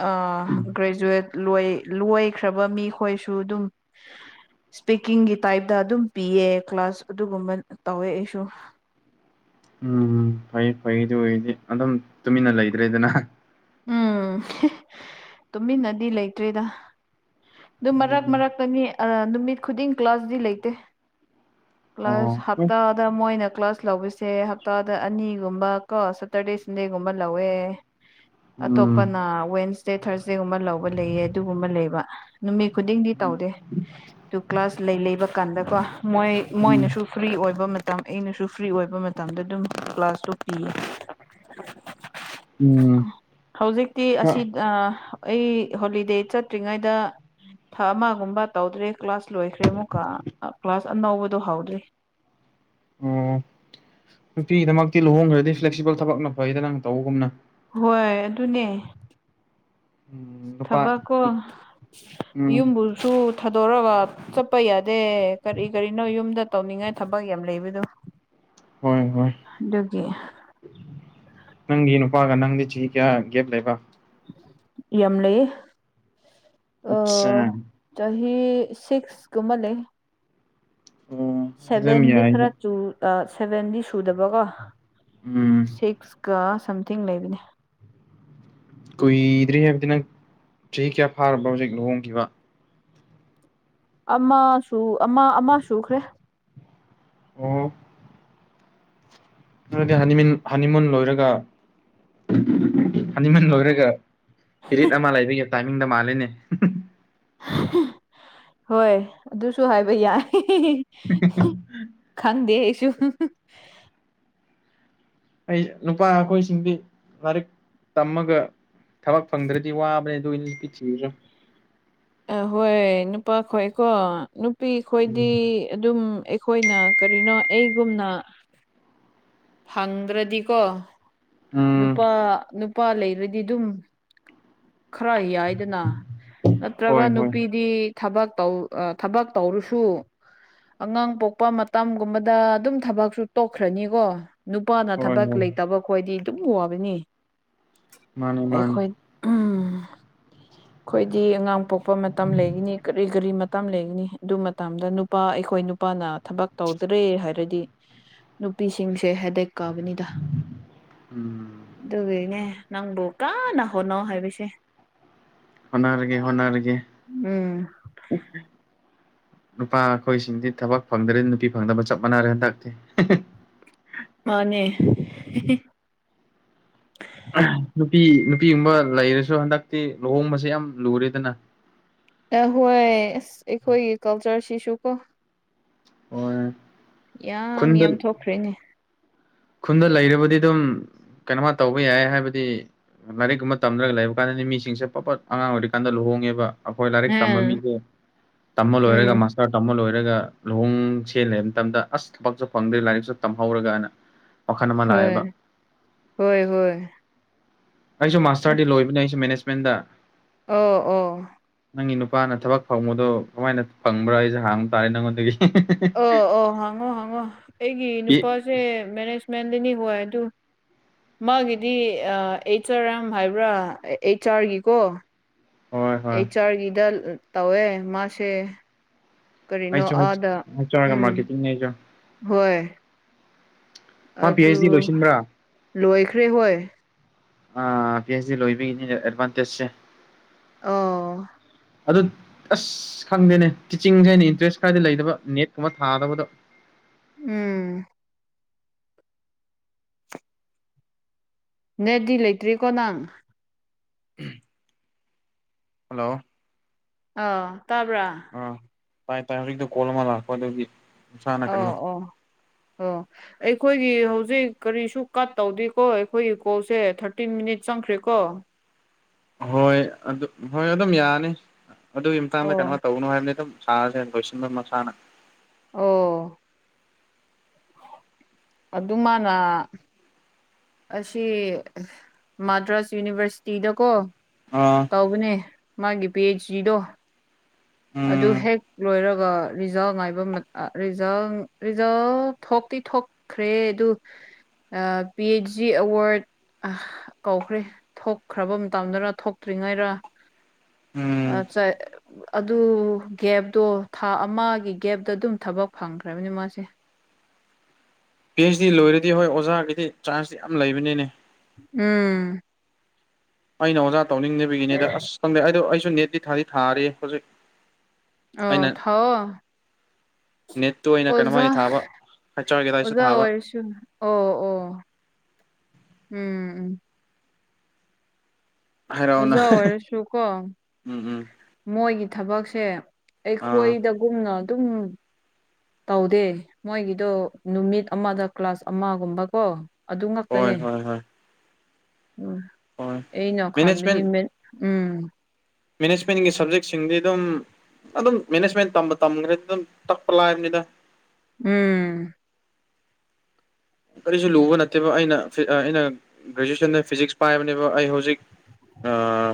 ꯑ ꯒ꯭ꯔꯦꯖꯨꯋꯦꯠ ꯂꯣꯏ ꯂꯣꯏꯈ꯭ꯔꯕ ꯃꯤꯈꯣꯏꯁꯨ ꯑꯗꯨꯝ ꯏꯁꯄꯤꯀꯤꯡꯒꯤ ꯇꯥꯏꯞꯇ ꯑꯗꯨꯝ ꯄꯤꯌꯦ ꯀ꯭ꯂꯥꯁ ꯑꯗꯨꯒꯨꯝꯕ ꯇꯧꯋꯦ ꯑꯩꯁꯨ ꯎꯝ ꯐꯩ ꯐꯩꯗꯤ ꯑꯗꯨꯑꯣꯏꯗꯤ ꯑꯗꯨꯝ ꯇꯨꯃꯤꯟꯅ ꯂꯩꯇ꯭ꯔꯦꯗꯅ ꯎꯝ ꯇꯨꯃꯤꯟꯅꯗꯤ ꯂꯩꯇ꯭ꯔꯦꯗ ꯑꯗꯨꯝ ꯃꯔꯛ ꯎꯝ ꯃꯔꯛꯇꯅꯤ ꯅꯨꯃꯤꯠ ꯈꯨꯗꯤꯡ ꯀ꯭ꯂꯥꯁꯗꯤ ꯂꯩꯇꯦ ꯀ꯭ꯂꯥꯁ ꯑꯣ ꯍꯣꯏ ꯍꯞꯇꯥꯗ ꯃꯣꯏꯅ ꯀ꯭ꯂꯥꯁ ꯂꯧꯕꯁꯦ ꯍꯞꯇꯥꯗ ꯑꯅꯤꯒꯨꯝꯕ ꯀꯣ ꯁꯦꯠꯇꯔꯗꯦ ꯁꯟꯗꯦꯒꯨꯝꯕ ꯂꯧꯋꯦ ꯎꯝ ꯑꯇꯣꯞꯄꯅ ꯋꯦꯟꯅꯁꯗꯦ ꯊꯥꯔꯁꯗꯦꯒꯨꯝꯕ ꯂꯧꯕ ꯂꯩꯌꯦ ꯑꯗꯨꯒꯨꯝꯕ ꯂꯩꯕ ꯅꯨꯃꯤꯠ ꯈꯨꯗꯤꯡꯗꯤ ꯇꯧꯗꯦ ꯇꯨ ꯀ꯭ꯂꯥꯁ ꯂꯩ ꯂꯩꯕ ꯀꯥꯟꯗꯀꯣ ꯃꯣꯏ ꯎꯝ ꯃꯣꯏꯅꯁꯨ ꯐ꯭ꯔꯤ ꯑꯣꯏꯕ ꯃꯇꯝ ꯑꯩꯅꯁꯨ ꯐ꯭ꯔꯤ ꯑꯣꯏꯕ ꯃꯇꯝꯗ ꯑꯗꯨꯝ ꯀ꯭ꯂꯥꯁꯇꯣ ꯄꯤꯌꯦ ꯎꯝ ꯍꯧꯖꯤꯛꯇꯤ ꯈꯔ ꯑꯁꯤ ꯑ ꯑꯩ ꯍꯣꯂꯤꯗꯦ ꯆꯠꯇ꯭ꯔꯤꯉꯩꯗ ꯊꯥ ꯑꯃꯒꯨꯝꯕ ꯇꯧꯗ꯭ꯔꯦ ꯀ꯭ꯂꯥꯁ ꯂꯣꯏꯈ꯭ꯔꯦ ꯑꯃꯨꯛꯀ ꯀ꯭ꯂꯥꯁ ꯑꯅꯧꯕꯗꯣ ꯍꯧꯗ꯭ꯔꯤ ꯑꯣ ꯅꯨꯄꯤꯒꯤꯗꯃꯛꯇꯤ ꯂꯨꯍꯣꯡꯈ꯭ꯔꯗꯤ ꯐ꯭ꯂꯦꯛꯁꯤꯕꯜ ꯊꯕꯛꯅ ꯐꯩꯗ ꯅꯪ ꯇꯧꯕꯒꯨꯝꯅ ꯍꯣꯏ ꯑꯗꯨꯅꯦ ꯎꯝ ꯅꯨꯄꯥ ꯊꯕꯛꯀꯣ ꯎꯝ ꯌꯨꯝꯕꯨꯁꯨ ꯊꯥꯗꯣꯔꯒ ꯆꯠꯄ ꯌꯥꯗꯦ ꯀꯔꯤ ꯀꯔꯤꯅꯣ ꯌꯨꯝꯗ ꯇꯧꯅꯤꯡꯉꯥꯏ ꯊꯕꯛ ꯌꯥꯝ ꯂꯩꯕꯗꯨ ꯍꯣꯏ ꯍꯣꯏ ꯅꯪꯒꯤ ꯅꯨꯄꯥꯒ ꯅꯪꯗꯤ ꯆꯍꯤ ꯀꯌꯥ ꯒꯦꯞ ꯂꯩꯕ ꯌꯝ ꯂꯩꯌꯦ ꯑ ꯑꯠꯆꯥ ꯆꯍꯤ ꯁꯤꯛꯁ ꯀꯨꯝꯕ ꯂꯩꯌꯦ ꯑꯣ ꯑꯗꯨꯝ ꯁꯦꯚꯦꯟꯗꯤ ꯌꯥꯏꯗ ꯈꯔ ꯆꯨ ꯑ ꯁꯦꯚꯦꯟꯗꯤ ꯁꯨꯗꯕꯀꯣ ꯎꯝ ꯁꯤꯛꯁ ꯀ ꯁꯝꯊꯤꯡ ꯂꯩꯕꯅꯦ ꯀꯨꯏꯗ꯭ꯔꯤ ꯍꯥꯏꯕꯗꯤ ꯅꯪ ꯆꯍꯤ ꯀꯌꯥ ꯐꯥꯔꯕ꯭ꯔꯣ ꯍꯧꯖꯤꯛ ꯂꯨꯍꯣꯡꯈꯤꯕ ꯑꯃꯁꯨ ꯑꯃ ꯑꯃ ꯁꯨꯈ꯭ꯔꯦ ꯑꯣ (unintelligible) ꯂꯣꯏꯔꯒ (unintelligible) ꯂꯣꯏꯔꯒ ꯄꯔꯤꯠ ꯑꯃ ꯂꯩꯕꯒꯤ ꯇꯥꯏꯃꯤꯡꯗ ꯃꯥꯜꯂꯤꯅꯦ ꯍꯣꯏ ꯑꯗꯨꯁꯨ ꯍꯥꯏꯕ ꯌꯥꯏ (unintelligible) ꯈꯪꯗꯦ ꯑꯩꯁꯨ ꯑꯩ ꯅꯨꯄꯥ ꯑꯩꯈꯣꯏꯁꯤꯡꯗꯤ ꯂꯥꯏꯔꯤꯛ ꯇꯝꯃꯒ ꯊꯕꯛ ꯐꯪꯗ꯭ꯔꯗꯤ ꯋꯥꯕꯅꯦ ꯑꯗꯨ ꯅꯨꯄꯤ ꯊꯤꯔꯁꯨ ꯑꯍꯣꯏ ꯅꯨꯄꯥ ꯈꯣꯏꯀꯣ ꯅꯨꯄꯤ ꯈꯣꯏꯗꯤ ꯑꯗꯨꯝ ꯑꯩꯈꯣꯏꯅ ꯀꯔꯤꯅꯣ ꯑꯩꯒꯨꯝꯅ ꯐꯪꯗ꯭ꯔꯗꯤꯀꯣ ꯎꯝ ꯅꯨꯄꯥ ꯅꯨꯄꯥ ꯂꯩꯔꯗꯤ ꯑꯗꯨꯝ ꯈꯔ ꯌꯥꯏ (unintelligible) ꯅꯠꯇ꯭ꯔꯒ ꯍꯣꯏ ꯍꯣꯏ ꯅꯨꯄꯤꯗꯤ ꯊꯕꯛ ꯇꯧ ꯊꯕꯛ ꯇꯧꯔꯁꯨ ꯑꯉꯥꯡ ꯄꯣꯛꯄ ꯃꯇꯝꯒꯨꯝꯕꯗ ꯑꯗꯨꯝ ꯊꯕꯛꯁꯨ ꯇꯣꯛꯈ꯭ꯔꯅꯤꯀꯣ ꯅꯨꯄꯥꯅ ꯍꯣꯏ ꯊꯕꯛ ꯍꯣꯏ ꯂꯩꯇꯕ ꯈꯣꯏꯗꯤ ꯑꯗꯨꯝ ꯋꯥꯕꯅꯤ ꯃꯥꯅꯤ ꯃꯥꯅꯤ ꯑꯩꯈꯣꯏ (unintelligible) (inaudible) ꯑꯩꯈꯣꯏꯗꯤ ꯑꯉꯥꯡ ꯄꯣꯛꯄ ꯃꯇꯝ ꯂꯩꯒꯅꯤ ꯀꯔꯤ ꯀꯔꯤ ꯃꯇꯝ ꯂꯩꯒꯅꯤ ꯑꯗꯨ ꯃꯇꯝꯗ ꯅꯨꯄꯥ ꯑꯩꯈꯣꯏ ꯅꯨꯄꯥꯅ ꯊꯕꯛ ꯇꯧꯗ꯭ꯔꯦ ꯍꯥꯏꯔꯗꯤ ꯅꯨꯄꯤꯁꯤꯡꯁꯦ ꯍꯦꯗꯦꯛ ꯀꯥꯕꯅꯤꯗ ꯎꯝ ꯑꯗꯨꯒꯤꯅꯦ ꯅꯪꯕꯨ ꯀꯥꯟꯅ ꯍꯣꯠꯅꯣ ꯍꯥꯏꯕꯁꯦ ꯍꯣꯠꯅꯔꯒꯦ ꯍꯣꯠꯅꯔꯒꯦ ꯎꯝ ꯅꯨꯄꯥ ꯑꯩꯈꯣꯏꯁꯤꯡꯗꯤ ꯊꯕꯛ ꯐꯪꯗ꯭ꯔꯦ ꯅꯨꯄꯤ ꯐꯪꯗꯕ ꯆꯞ ꯃꯥꯟꯅꯔꯦ ꯍꯟꯗꯛꯇꯤ ꯃꯥꯅꯦ (unintelligible) ꯅꯨꯄꯤ ꯅꯨꯄꯤꯒꯨꯝꯕ ꯂꯩꯔꯁꯨ ꯍꯟꯗꯛꯇꯤ ꯂꯨꯍꯣꯡꯕꯁꯦ ꯌꯥꯝ ꯂꯨꯔꯦꯗꯅ ꯍꯣꯏ ꯑꯁ ꯑꯩꯈꯣꯏꯒꯤ ꯀꯜꯆꯔꯁꯤꯁꯨ ꯀꯣ ꯑꯣ ꯌꯥꯝ ꯌꯥꯝ ꯊꯣꯛꯈ꯭ꯔꯦꯅꯦ ꯈꯨꯟꯗ ꯂꯩꯔꯕꯗꯤ ꯑꯗꯨꯝ ꯀꯩꯅꯣꯃ ꯇꯧꯕ ꯌꯥꯏ ꯍꯥꯏꯕꯗꯤ ꯂꯥꯏꯔꯤꯛꯀꯨꯝꯕ ꯇꯝꯗ꯭ꯔꯒ ꯂꯩꯕ ꯀꯥꯟꯗꯗꯤ ꯃꯤꯁꯤꯡꯁꯦ ꯄꯄꯠ ꯑꯉꯥꯡ ꯑꯣꯏꯔꯤꯀꯥꯟꯗ ꯂꯨꯍꯣꯡꯉꯦꯕ ꯑꯩꯈꯣꯏ ꯂꯥꯏꯔꯤꯛ ꯇꯝꯕ ꯎꯝ ꯃꯤꯁꯦ ꯇꯝꯕ ꯂꯣꯏꯔꯒ ꯎꯝ ꯃꯥꯁ ꯈꯔ ꯇꯝꯕ ꯂꯣꯏꯔꯒ ꯂꯨꯍꯣꯡ ꯁꯦ ꯂꯩꯕ ꯃꯇꯝꯗ ꯑꯁ ꯊꯕꯛꯁꯨ ꯐꯪꯗ꯭ꯦ ꯂꯥꯏꯔꯤꯛꯁꯨ ꯇꯝꯍꯧꯔꯒꯅ ꯋꯥꯈꯜ ꯑꯃ ꯂꯥꯛꯑꯦꯕ ꯍꯣꯏ ꯍꯣꯏ ꯍꯣꯏ ꯑꯩꯁꯨ ꯃꯥꯁꯇꯔꯗꯤ ꯑꯁ ꯂꯣꯏꯕꯅꯦ ꯑꯩꯁꯨ ꯃꯦꯅꯦꯖꯃꯦꯟꯗ ꯑꯣ ꯑꯣ ꯅꯪꯒꯤ ꯅꯨꯄꯥꯅ ꯊꯕꯛ ꯐꯪꯕꯗꯣ ꯀꯃꯥꯏꯅ ꯐꯪꯕ꯭ꯔꯥ ꯑꯩꯁꯦ ꯍꯥꯡꯕ ꯇꯥꯔꯦ ꯅꯪꯉꯣꯟꯗꯒꯤ ꯑꯣ ꯑꯣ ꯍꯪꯉꯣ ꯍꯥꯡꯉꯣ ꯑꯩꯒꯤ ꯅꯨꯄꯥꯁꯦ ꯃꯦꯅꯦꯖꯃꯦꯟꯗꯅꯤ ꯍꯣꯏ ꯑꯗꯨ ꯃꯥꯒꯤꯗꯤ ꯑꯩꯆ ꯑꯥꯔ ꯑꯦꯝ ꯍꯥꯏꯕ꯭ꯔꯥ ꯑꯩꯆ ꯑꯥꯔꯒꯤꯀꯣ ꯍꯣꯏ ꯍꯣꯏ ꯑꯩꯆ ꯑꯥꯔꯒꯤꯗ ꯇꯧꯋꯦ ꯃꯥꯁꯦ ꯀꯔꯤꯅꯣ ꯑꯩꯁꯨ ꯍꯩꯆ ꯑꯥꯗ ꯑꯥꯔꯒ ꯎꯝ ꯃꯥꯔꯀꯦꯇꯤꯡꯅꯦ ꯑꯩꯁꯨ ꯍꯣꯏ ꯃꯥ ꯄꯤ ꯑꯗꯨ ꯑꯩꯆ ꯗꯤ ꯂꯣꯏꯁꯤꯟꯕ꯭ꯔꯥ ꯂꯣꯏꯈ꯭ꯔꯦ ꯍꯣꯏ ꯑ ꯄꯤ ꯑꯩꯆ ꯗꯤ ꯂꯣꯏꯕꯤꯒꯤꯅꯤꯅꯦ ꯑꯦꯗꯚꯥꯟꯇꯦꯖꯁꯦ ꯑꯣ ꯑꯗꯨꯗ ꯑꯁ ꯑꯁ ꯈꯪꯗꯦꯅꯦ ꯇꯤꯆꯤꯡꯁꯦ ꯑꯩꯅ ꯏꯟꯇꯔꯦꯁ ꯀꯔꯗꯤ ꯂꯩꯗꯕ ꯅꯦꯠꯀꯨꯝꯕ ꯊꯥꯗꯕꯗꯣ ꯎꯝ ꯅꯦꯠꯗꯤ ꯂꯩꯇ꯭ꯔꯤꯀꯣ ꯅꯪ ꯎꯝ ꯍꯜꯂꯣ ꯑꯥ ꯇꯥꯕ꯭ꯔꯥ ꯑꯥ ꯇꯥꯏ ꯇꯥꯏ ꯍꯧꯖꯤꯛꯇ ꯀꯣꯜ ꯑꯃ ꯂꯥꯛꯄ ꯑꯗꯨꯒꯤ ꯃꯁꯥꯅ ꯑꯣ ꯀꯩꯅꯣ ꯑꯣ ꯑꯣ ꯑꯩꯈꯣꯏꯒꯤ ꯍꯧꯖꯤꯛ ꯀꯔꯤꯁꯨ ꯀꯠ ꯇꯧꯗꯦꯀꯣ ꯑꯩꯈꯣꯏꯒꯤ ꯀꯣꯜꯁꯦ ꯊꯥꯔꯇꯤꯟ ꯃꯤꯅꯤꯠ ꯆꯪꯈ꯭ꯔꯦꯀꯣ ꯍꯣꯏ ꯑꯗꯨ ꯍꯣꯏ ꯑꯗꯨꯝ ꯌꯥꯅꯤ ꯑꯗꯨꯒꯤ ꯃꯇꯥꯡꯗ ꯑꯣ ꯀꯩꯅꯣ ꯇꯧꯕꯒꯅꯨ ꯍꯥꯏꯕꯅꯤ ꯁꯥꯖꯦ ꯂꯣꯏꯁꯟꯕꯥ ꯃꯇꯥꯡ ꯑꯣ ꯑꯗꯨꯝꯃꯥꯅ ꯑꯁꯤ ꯃꯥꯗ꯭ꯔꯥꯁ ꯌꯨꯅꯤꯚꯔꯁꯤꯇꯤꯗꯀꯣ ꯑꯥ ꯇꯧꯕꯅꯦ ꯃꯥꯒꯤ ꯄꯤ ꯑꯩꯆ ꯗꯤꯗꯣ ꯑꯗꯨ ꯎꯝ ꯍꯦꯛ ꯂꯣꯏꯔꯒ ꯔꯤꯖꯥ ꯉꯥꯏꯕ ꯔꯤꯖꯥ ꯔꯤꯖꯥꯜ ꯊꯣꯛꯇꯤ ꯊꯣꯛꯈ꯭ꯔꯦ ꯑꯗꯨ ꯄꯤ ꯑꯩꯆ ꯗꯤ ꯑꯦꯋꯥꯔꯗ ꯑꯥ ꯀꯧꯈ꯭ꯔꯦ ꯊꯣꯛꯈ꯭ꯔꯕ ꯃꯇꯝꯗꯅ ꯊꯣꯛꯇ꯭ꯔꯤꯉꯩꯔꯥ ꯎꯝ ꯑꯆꯥ ꯑꯗꯨ ꯒꯦꯞꯇꯣ ꯊꯥ ꯑꯃꯒꯤ ꯒꯦꯞꯇꯥ ꯑꯗꯨꯝ ꯊꯕꯛ ꯐꯪꯈ꯭ꯔꯕꯅꯤ ꯃꯥꯁꯦ ꯄꯤ ꯑꯩꯆ ꯗꯤ ꯂꯣꯏꯔꯗꯤ ꯍꯣꯏ ꯑꯣꯖꯥꯒꯤꯗꯤ ꯆꯥꯟꯁꯇꯤ ꯌꯥꯝ ꯂꯩꯕꯅꯦ ꯎꯝ ꯑꯩꯅ ꯑꯣꯖꯥ ꯇꯧꯅꯤꯡꯗꯕꯤꯒꯤꯅꯤꯗ ꯑꯁ ꯈꯪꯗꯦ ꯑꯩꯗꯣ ꯑꯩꯁꯨ ꯅꯦꯠꯇꯤ ꯊꯥꯗꯤ ꯊꯥꯔꯤ ꯍꯧꯖꯤꯛ ꯑꯥꯎ ꯑꯩꯅ ꯊꯥꯎꯑꯣ ꯅꯦꯠꯇꯨ ꯑꯩꯅ ꯑꯣꯖꯥ ꯀꯩꯅꯣꯃꯒꯤ ꯊꯥꯕ ꯍꯩꯆ ꯑꯥꯔꯒꯤꯗ ꯑꯩꯁꯨ ꯑꯣꯖꯥ ꯊꯥꯕ ꯑꯣꯏꯔꯥꯁꯨ ꯑꯣ ꯑꯣ ꯎꯝ ꯎꯝ ꯍꯥꯏꯔꯛꯑꯣꯅ ꯑꯣꯖꯥ ꯑꯣꯏꯔꯁꯨ ꯀꯣ ꯎꯝ ꯎꯝ ꯃꯣꯏꯒꯤ ꯊꯕꯛꯁꯦ ꯑꯥ ꯑꯩꯈꯣꯏꯗꯒꯨꯝꯅ ꯑꯗꯨꯝ ꯇꯧꯗꯦ ꯃꯣꯏꯒꯤꯗꯣ ꯅꯨꯃꯤꯠ ꯑꯃꯥꯗ ꯀ꯭ꯂꯥꯁ ꯑꯃꯥꯒꯨꯝꯕ ꯀꯣ ꯑꯗꯨ ꯍꯣꯏ ꯉꯥꯛꯛꯇꯅꯦ ꯍꯣꯏ ꯍꯣꯏ ꯍꯣꯏ ꯑꯩꯩꯅ ꯈꯟꯃꯥꯅꯤ ꯃꯦꯅꯦꯖꯃꯦꯟ ꯎꯝ ꯃꯦꯅꯦꯖꯃꯦꯟꯒꯤ ꯁꯕꯖꯦꯛꯁꯤꯡꯗꯤ ꯑꯗꯨꯝ ꯑꯗꯨꯝ ꯃꯦꯅꯦꯖꯃꯦꯟ ꯇꯝꯕ ꯇꯝꯈ꯭ꯔꯦ ꯑꯗꯨꯝ ꯇꯛꯄ ꯂꯥꯛꯕꯅꯤꯗꯥ ꯎꯝ ꯀꯔꯤꯁꯨ ꯂꯨꯕ ꯅꯠꯇꯦꯕ ꯑꯩꯅ ꯑꯩꯅ ꯒ꯭ꯔꯦꯖꯨꯋꯦꯁꯟꯗ ꯐꯤꯖꯤꯛꯁ ꯄꯥꯏꯕꯅꯦꯕ ꯑꯩ ꯍꯧꯖꯤꯛ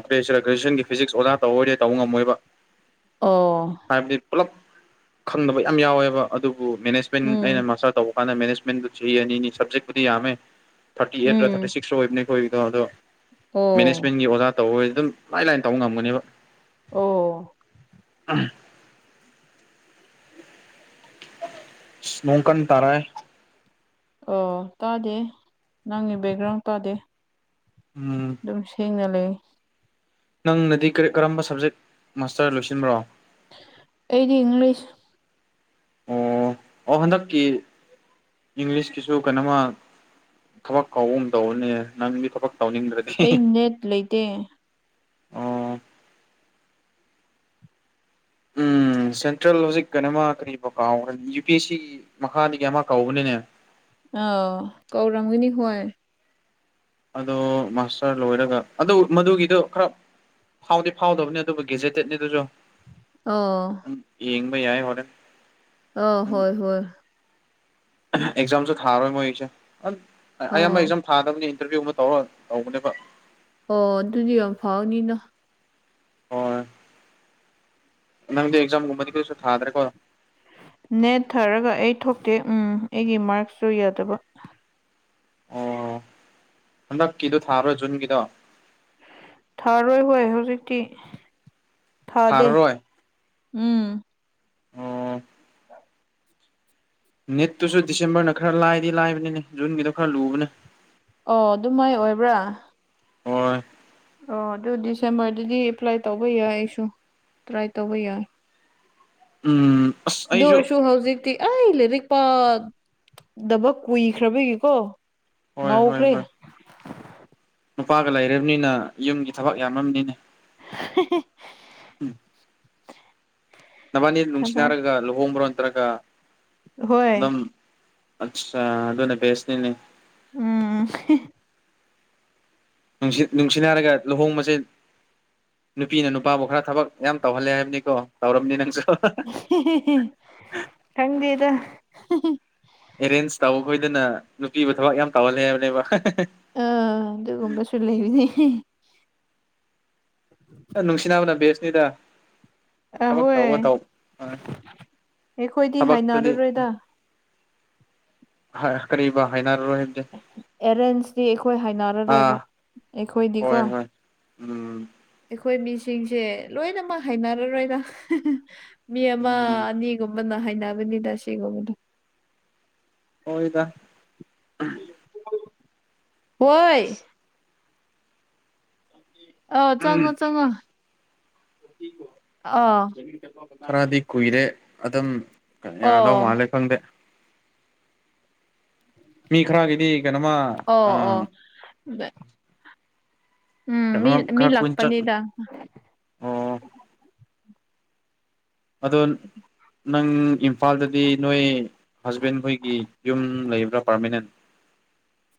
ꯀꯔꯤꯍꯥꯏꯁꯤꯔꯥ ꯒ꯭ꯔꯦꯖꯨꯋꯦꯁꯟꯒꯤ ꯐꯤꯖꯤꯛꯁ ꯑꯣꯖꯥ ꯇꯧꯑꯣꯔꯦ ꯇꯧꯕ ꯉꯝꯃꯣꯏꯕ ꯑꯣ ꯍꯥꯏꯕꯗꯤ ꯄꯨꯂꯞ ꯈꯪꯗꯕ ꯌꯥꯝ ꯌꯥꯎꯋꯦꯕ ꯑꯗꯨꯕꯨ ꯃꯦꯅꯦꯖꯃꯦꯟ ꯑꯩꯅ ꯎꯝ ꯃꯥꯁꯇꯔ ꯇꯧꯕ ꯃꯥꯅ ꯃꯦꯅꯦꯖꯃꯦꯟꯗꯨ ꯆꯍꯤ ꯑꯅꯤꯅꯤ ꯁꯞꯖꯦꯛꯄꯨꯗꯤ ꯌꯥꯝꯃꯦ ꯊꯥꯔꯇꯤ ꯑꯩꯠ ꯊꯥꯔꯇꯤ ꯎꯝ ꯁꯤꯛꯁ ꯑꯣꯏꯕꯅꯤꯈꯣꯏꯒꯤꯗꯣ ꯑꯗꯣ ꯑꯣ ꯃꯦꯅꯦꯖꯃꯦꯟꯒꯤ ꯑꯣꯖꯥ ꯇꯧꯕꯗꯤ ꯑꯗꯨꯝ ꯂꯥꯏ ꯂꯥꯏꯅ ꯇꯧꯕ ꯉꯝꯒꯅꯦꯕ ꯑꯣ ꯎꯝ ꯅꯣꯡ ꯀꯟ ꯇꯥꯔꯛꯑꯦ ꯑꯣ ꯇꯥꯗꯦ ꯅꯪꯒꯤ ꯕꯦꯛꯒ꯭ꯔꯥꯎꯟ ꯇꯥꯗꯦ ꯎꯝ ꯑꯗꯨꯝ ꯁꯦꯡꯅ ꯂꯩ ꯅꯪꯅꯗꯤ ꯀꯔꯤ ꯀꯔꯝꯕ ꯁꯕꯖꯦꯛ ꯃꯥꯁꯇꯔ ꯂꯣꯏꯁꯤꯟꯕ꯭ꯔꯣ ꯑꯩꯗꯤ ꯏꯪꯂꯤꯁ ꯑꯣ ꯑꯣ ꯍꯟꯗꯛꯀꯤ ꯏꯪꯂꯤꯁꯀꯤꯁꯨ ꯀꯩꯅꯣꯃꯥ ꯊꯕꯛ ꯀꯧꯕꯥꯒꯨꯝ ꯇꯧꯕꯅꯦ ꯅꯪꯗꯤ ꯊꯕꯛ ꯇꯧꯅꯤꯡꯗ꯭ꯔꯗꯔꯦ ꯑꯩ ꯅꯦꯠ ꯂꯩꯇꯦ ꯑꯣ ꯎꯝ ꯁꯦꯟꯇ꯭ꯔꯦꯜ ꯍꯧꯖꯤꯛ ꯀꯩꯅꯃ ꯀꯔꯤ ꯀꯥꯎꯈ꯭ꯔ ꯌꯨ ꯄꯤ ꯑꯦꯁ ꯁꯤ ꯃꯈꯥꯗꯒꯤ ꯑꯃ ꯀꯧꯕꯅꯦ ꯑꯥ ꯀꯧꯔꯝꯒꯅꯤ ꯍꯣꯏ ꯑꯗꯣ ꯃꯥꯁꯇꯔ ꯂꯣꯏꯔꯒ ꯑꯗꯨ ꯃꯗꯨꯒꯤꯗꯣ ꯈꯔꯥ ꯐꯥꯎꯗꯤ ꯐꯥꯎꯗꯕꯅꯦ ꯑꯗꯨꯕꯨ ꯒꯦꯖꯦꯇꯦꯠꯅꯦ ꯑꯗꯨꯁꯨ ꯑꯣ ꯌꯦꯡꯕꯥ ꯌꯥꯏ ꯍꯣꯏ ꯑ ꯍꯣꯏ ꯍꯣꯏ ꯑꯦꯛꯖꯥꯝꯁꯨ ꯊꯥꯔꯣꯏ ꯃꯣꯏꯁꯦ ꯑꯌꯥꯝꯕ ꯑꯥ ꯑꯦꯛꯖꯥꯝ ꯊꯥꯗꯕꯅꯤ ꯏꯟꯇꯔꯚꯤꯌꯨ ꯑꯃ ꯇꯧꯔ ꯇꯧꯕꯅꯦꯕ ꯑꯣ ꯑꯗꯨꯗꯤ ꯌꯥꯝ ꯐꯥꯎꯅꯤꯅ ꯍꯣꯏ ꯅꯪꯗꯤ ꯑꯦꯛꯖꯥꯝꯒꯨꯝꯕꯗꯤ ꯀꯩꯁꯨ ꯊꯥꯗ꯭ꯔꯦꯀꯣ ꯅꯦꯠ ꯊꯥꯔꯒ ꯑꯩ ꯊꯣꯛꯇꯦ ꯎꯝ ꯑꯩꯒꯤ ꯃꯥꯔꯛꯁꯁꯨ ꯌꯥꯗꯕ ꯑꯣ ꯍꯟꯗꯛꯀꯤꯗꯣ ꯊꯥꯔꯣꯏ ꯖꯨꯟꯒꯤꯗꯣ ꯊꯥꯔꯣꯏ ꯍꯣꯏ ꯍꯧꯖꯤꯛꯇꯤ ꯊꯥꯗꯦ ꯊꯥꯔꯔꯣꯏ ꯎꯝ ꯑꯣ ꯅꯤꯠꯇꯨꯁꯨ ꯗꯤꯁꯦꯝꯕꯔꯅ ꯈꯔ ꯂꯥꯏꯗꯤ ꯂꯥꯏꯕꯅꯤꯅꯦ ꯖꯨꯟꯒꯤꯗꯣ ꯈꯔ ꯂꯨꯕꯅꯦ ꯑꯣ ꯑꯗꯨ ꯃꯥꯏ ꯑꯣꯏꯕ꯭ꯔꯥ ꯍꯣꯏ ꯑꯣ ꯑꯗꯨ ꯗꯤꯁꯦꯝꯕꯔꯗꯗꯤ ꯑꯦꯄ꯭ꯂꯥꯏ ꯇꯧꯕ ꯌꯥꯏ ꯑꯩꯁꯨ ꯇ꯭ꯔꯥꯏ ꯇꯧꯕ ꯌꯥꯏ ꯎꯝ ꯑꯁ ꯑꯗꯨ ꯑꯩꯁꯨ ꯑꯣꯏꯔꯁꯨ ꯍꯧꯖꯤꯛꯇꯤ ꯑꯩ ꯂꯥꯏꯔꯤꯛ ꯄꯥꯗꯕ ꯀꯨꯏꯈ꯭ꯔꯕꯒꯤꯀꯣ ꯍꯣꯏ ꯍꯣꯏ ꯉꯧꯈ꯭ꯔꯦ ꯍꯣꯏ ꯅꯨꯄꯥꯒ ꯂꯩꯔꯕꯅꯤꯅ ꯌꯨꯝꯒꯤ ꯊꯕꯛ ꯌꯥꯝꯅꯤꯅꯦ ꯍ (unintelligible) ꯅꯕꯥꯅꯤ ꯅꯨꯡꯁꯤꯅꯔꯒ ꯂꯨꯍꯣꯡꯕ꯭ꯔꯣ ꯅꯠꯇ꯭ꯔꯒ ꯍꯣꯏ ꯑꯗꯨꯝ ꯑꯆꯥ ꯑꯗꯨ ꯑꯗꯨꯅꯦ ꯕꯁꯅꯤꯅꯦ ꯎꯝ ꯅꯨꯡ ꯅꯨꯡꯁꯤꯅ ꯍꯥꯏꯔꯒ ꯂꯨꯍꯣꯡꯕꯁꯦ ꯅꯨꯄꯤꯅ ꯅꯨꯄꯥꯕꯨ ꯈꯔ ꯊꯕꯛ ꯌꯥꯝ ꯇꯧꯍꯜꯂꯦ ꯍꯥꯏꯕꯅꯤꯀꯣ ꯇꯧꯔꯕꯝꯅꯤ ꯅꯪꯁꯨ ꯈꯪꯗꯦꯗ ꯑꯦꯔꯦꯟꯖ ꯇꯧꯕ ꯈꯣꯏꯗꯅ ꯅꯨꯄꯤꯕꯨ ꯊꯕꯛ ꯌꯥꯝ ꯇꯧꯍꯜꯂꯦ ꯍꯥꯏꯕꯅꯦꯕ ꯑꯥ ꯑꯗꯨꯒꯨꯝꯕꯁꯨ ꯂꯩꯕꯅꯦ ꯅꯨꯡꯁꯤꯅꯥꯕꯅ ꯕꯦꯁꯅꯤꯗ ꯊꯕꯛ ꯑꯍꯣꯏ ꯇꯧꯕ ꯇꯧ (unintelligible) ꯑꯩꯈꯣꯏꯗꯤ ꯊꯕꯛꯇꯗꯤ ꯍꯥꯏꯅꯔꯔꯣꯏꯗ ꯍꯥꯏ ꯀꯔꯤꯕ ꯍꯥꯏꯅꯔꯔꯣꯏ ꯑꯦꯔꯦꯟꯁꯇꯤ ꯑꯩꯈꯣꯏ ꯍꯥꯏꯅꯔꯔꯣꯏꯕ ꯑꯥ ꯑꯩꯈꯣꯏꯗꯤꯀꯣ ꯍꯣꯏ ꯍꯣꯏ ꯎꯝ ꯑꯩꯈꯣꯏ ꯃꯤꯁꯤꯡꯁꯦ ꯂꯣꯏꯅꯃꯛ ꯍꯥꯏꯅꯔꯔꯣꯏꯗ ꯃꯤ ꯑꯃ ꯎꯝ ꯑꯅꯤꯒꯨꯝ ꯕꯅꯥ ꯍꯩꯅꯒꯅꯤꯗ ꯁꯤꯒꯨꯝꯕꯗꯣ ꯍꯣꯏꯗꯥ ꯍꯣꯏ ꯑꯥ ꯆꯪꯉꯣ ꯆꯪꯉꯣ (unintelligible) ꯑꯥ ꯈꯔꯗꯤ ꯀꯨꯏꯔꯦ ꯑꯗꯨꯝ ꯌꯥꯗꯧ ꯑꯣ ꯃꯥꯜꯂꯦ ꯈꯪꯗꯦ ꯃꯤ ꯈꯔꯒꯤꯗꯤ ꯀꯩꯅꯣꯃꯥ ꯑꯣ ꯑꯥ ꯑꯣ (unintelligible) ꯎꯝ ꯃꯤ ꯀꯩꯅꯣꯃ ꯃꯤ ꯈꯔ ꯀꯨꯏꯅ ꯆꯠ ꯂꯥꯛꯄꯅꯤꯗ ꯑꯣ (inaudible) ꯅꯪ ꯏꯝꯐꯥꯜꯗꯗꯤ ꯅꯣꯏ ꯍꯁꯕꯦꯟ ꯈꯣꯏꯒꯤ ꯌꯨꯝ ꯂꯩꯕ꯭ꯔꯥ ꯄꯥꯔꯃꯤꯅꯦꯟ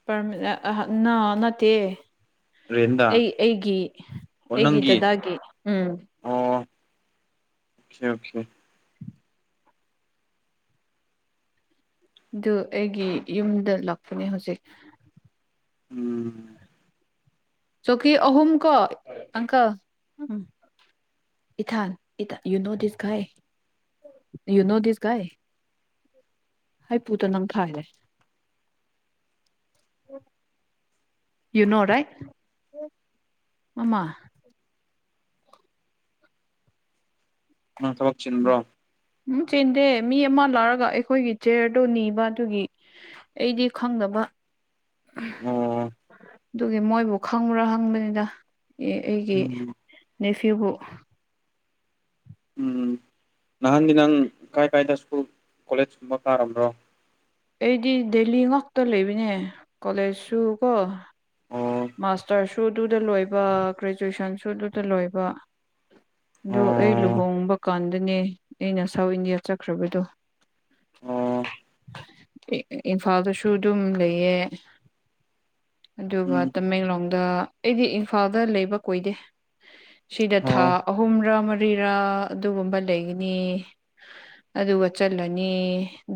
ꯄ꯭ꯥꯔ ꯑꯥ ꯅꯥ ꯅꯠꯇꯦ ꯔꯦꯟꯗ ꯑꯩ ꯑꯩꯒꯤ ꯑꯣ ꯑꯩꯒꯤ ꯅꯪꯒꯤ ꯗꯥꯗꯥꯒꯤ ꯎꯝ ꯑꯣ ꯑꯣꯈꯦ ꯑꯣꯈꯦ ꯑꯗꯨ ꯑꯩꯒꯤ ꯌꯨꯝꯗ ꯂꯥꯛꯄꯅꯦ ꯍꯧꯖꯤꯛ ꯎꯝ ꯆꯧꯀꯤ ꯑꯍꯨꯝ ꯀꯣ ꯑꯪꯀꯜ ꯏꯊꯥꯟ ꯏ you know this guy you know this guy ꯍꯥꯏ ꯄꯨꯨꯗ ꯅꯪ ꯊꯥꯏꯔꯦ ꯌꯨ ꯅꯣ ꯔꯥꯏꯠ ꯃꯥꯃꯥ ꯅꯪ ꯊꯕꯛ ꯆꯤꯟꯕ꯭ꯔꯣ ꯎꯝ ꯆꯤꯟꯗꯦ ꯃꯤ ꯑꯃ ꯂꯥꯛꯔꯒ ꯑꯩꯈꯣꯏꯒꯤ ꯆꯤꯌꯔꯗꯣ ꯅꯤꯕ ꯑꯗꯨꯒꯤ ꯑꯩꯗꯤ ꯈꯪꯗꯕ ꯑꯣ ꯑꯗꯨꯒꯤ ꯃꯣꯏꯕꯨ ꯈꯪꯕ꯭ꯔꯥ ꯍꯪꯕꯅꯤꯗ ꯑꯦ ꯑꯩꯒꯤ ꯎꯝ ꯅꯦꯐ꯭ꯌꯨꯕꯨ ꯎꯝ ꯅꯍꯥꯟꯗꯤ ꯅꯪ ꯀꯥꯏ ꯀꯥꯏꯗ ꯁ꯭ꯀꯨꯜ ꯀꯣꯂꯦꯖ ꯀꯨꯝꯕ ꯀꯥꯔꯝꯕ꯭ꯔꯣ ꯑꯩꯗꯤ ꯗꯦꯂꯤ ꯉꯥꯛꯇ ꯂꯩꯕꯅꯦ ꯀꯣꯂꯦꯖꯁꯨ ꯀꯣ ꯑꯣ ꯃꯥꯁꯇꯔ ꯁꯨꯗꯨꯗ ꯂꯣꯏꯕ ꯒ꯭ꯔꯦꯖꯨꯋꯦꯁꯟꯁꯨ ꯗꯨꯗꯥ ꯂꯣꯏꯕ ꯑꯗꯣ ꯑꯩ ꯑꯣ ꯂꯨꯍꯣꯡꯕ ꯀꯥꯟꯗꯅꯦ ꯑꯩꯅ ꯁꯥꯎꯠ ꯏꯟꯗꯤꯌꯥ ꯆꯠꯈ꯭ꯔꯕꯗꯣ (unintelligible) ꯏꯝꯐꯥꯜꯗꯁꯨ ꯑꯗꯨꯝ ꯂꯩꯌꯦ ꯑꯗꯨꯒ ꯎꯝ ꯇꯃꯦꯡꯂꯣꯡꯗ ꯑꯩꯗꯤ ꯏꯝꯐꯥꯜꯗ ꯂꯩꯕ ꯀꯨꯏꯗꯦ ꯁꯤꯗ ꯊꯥ ꯑꯣ ꯑꯍꯨꯝꯔꯥ ꯃꯔꯤꯔꯥ ꯑꯗꯨꯒꯨꯝꯕ ꯂꯩꯒꯅꯤ ꯑꯗꯨꯒ ꯆꯠꯂꯅꯤ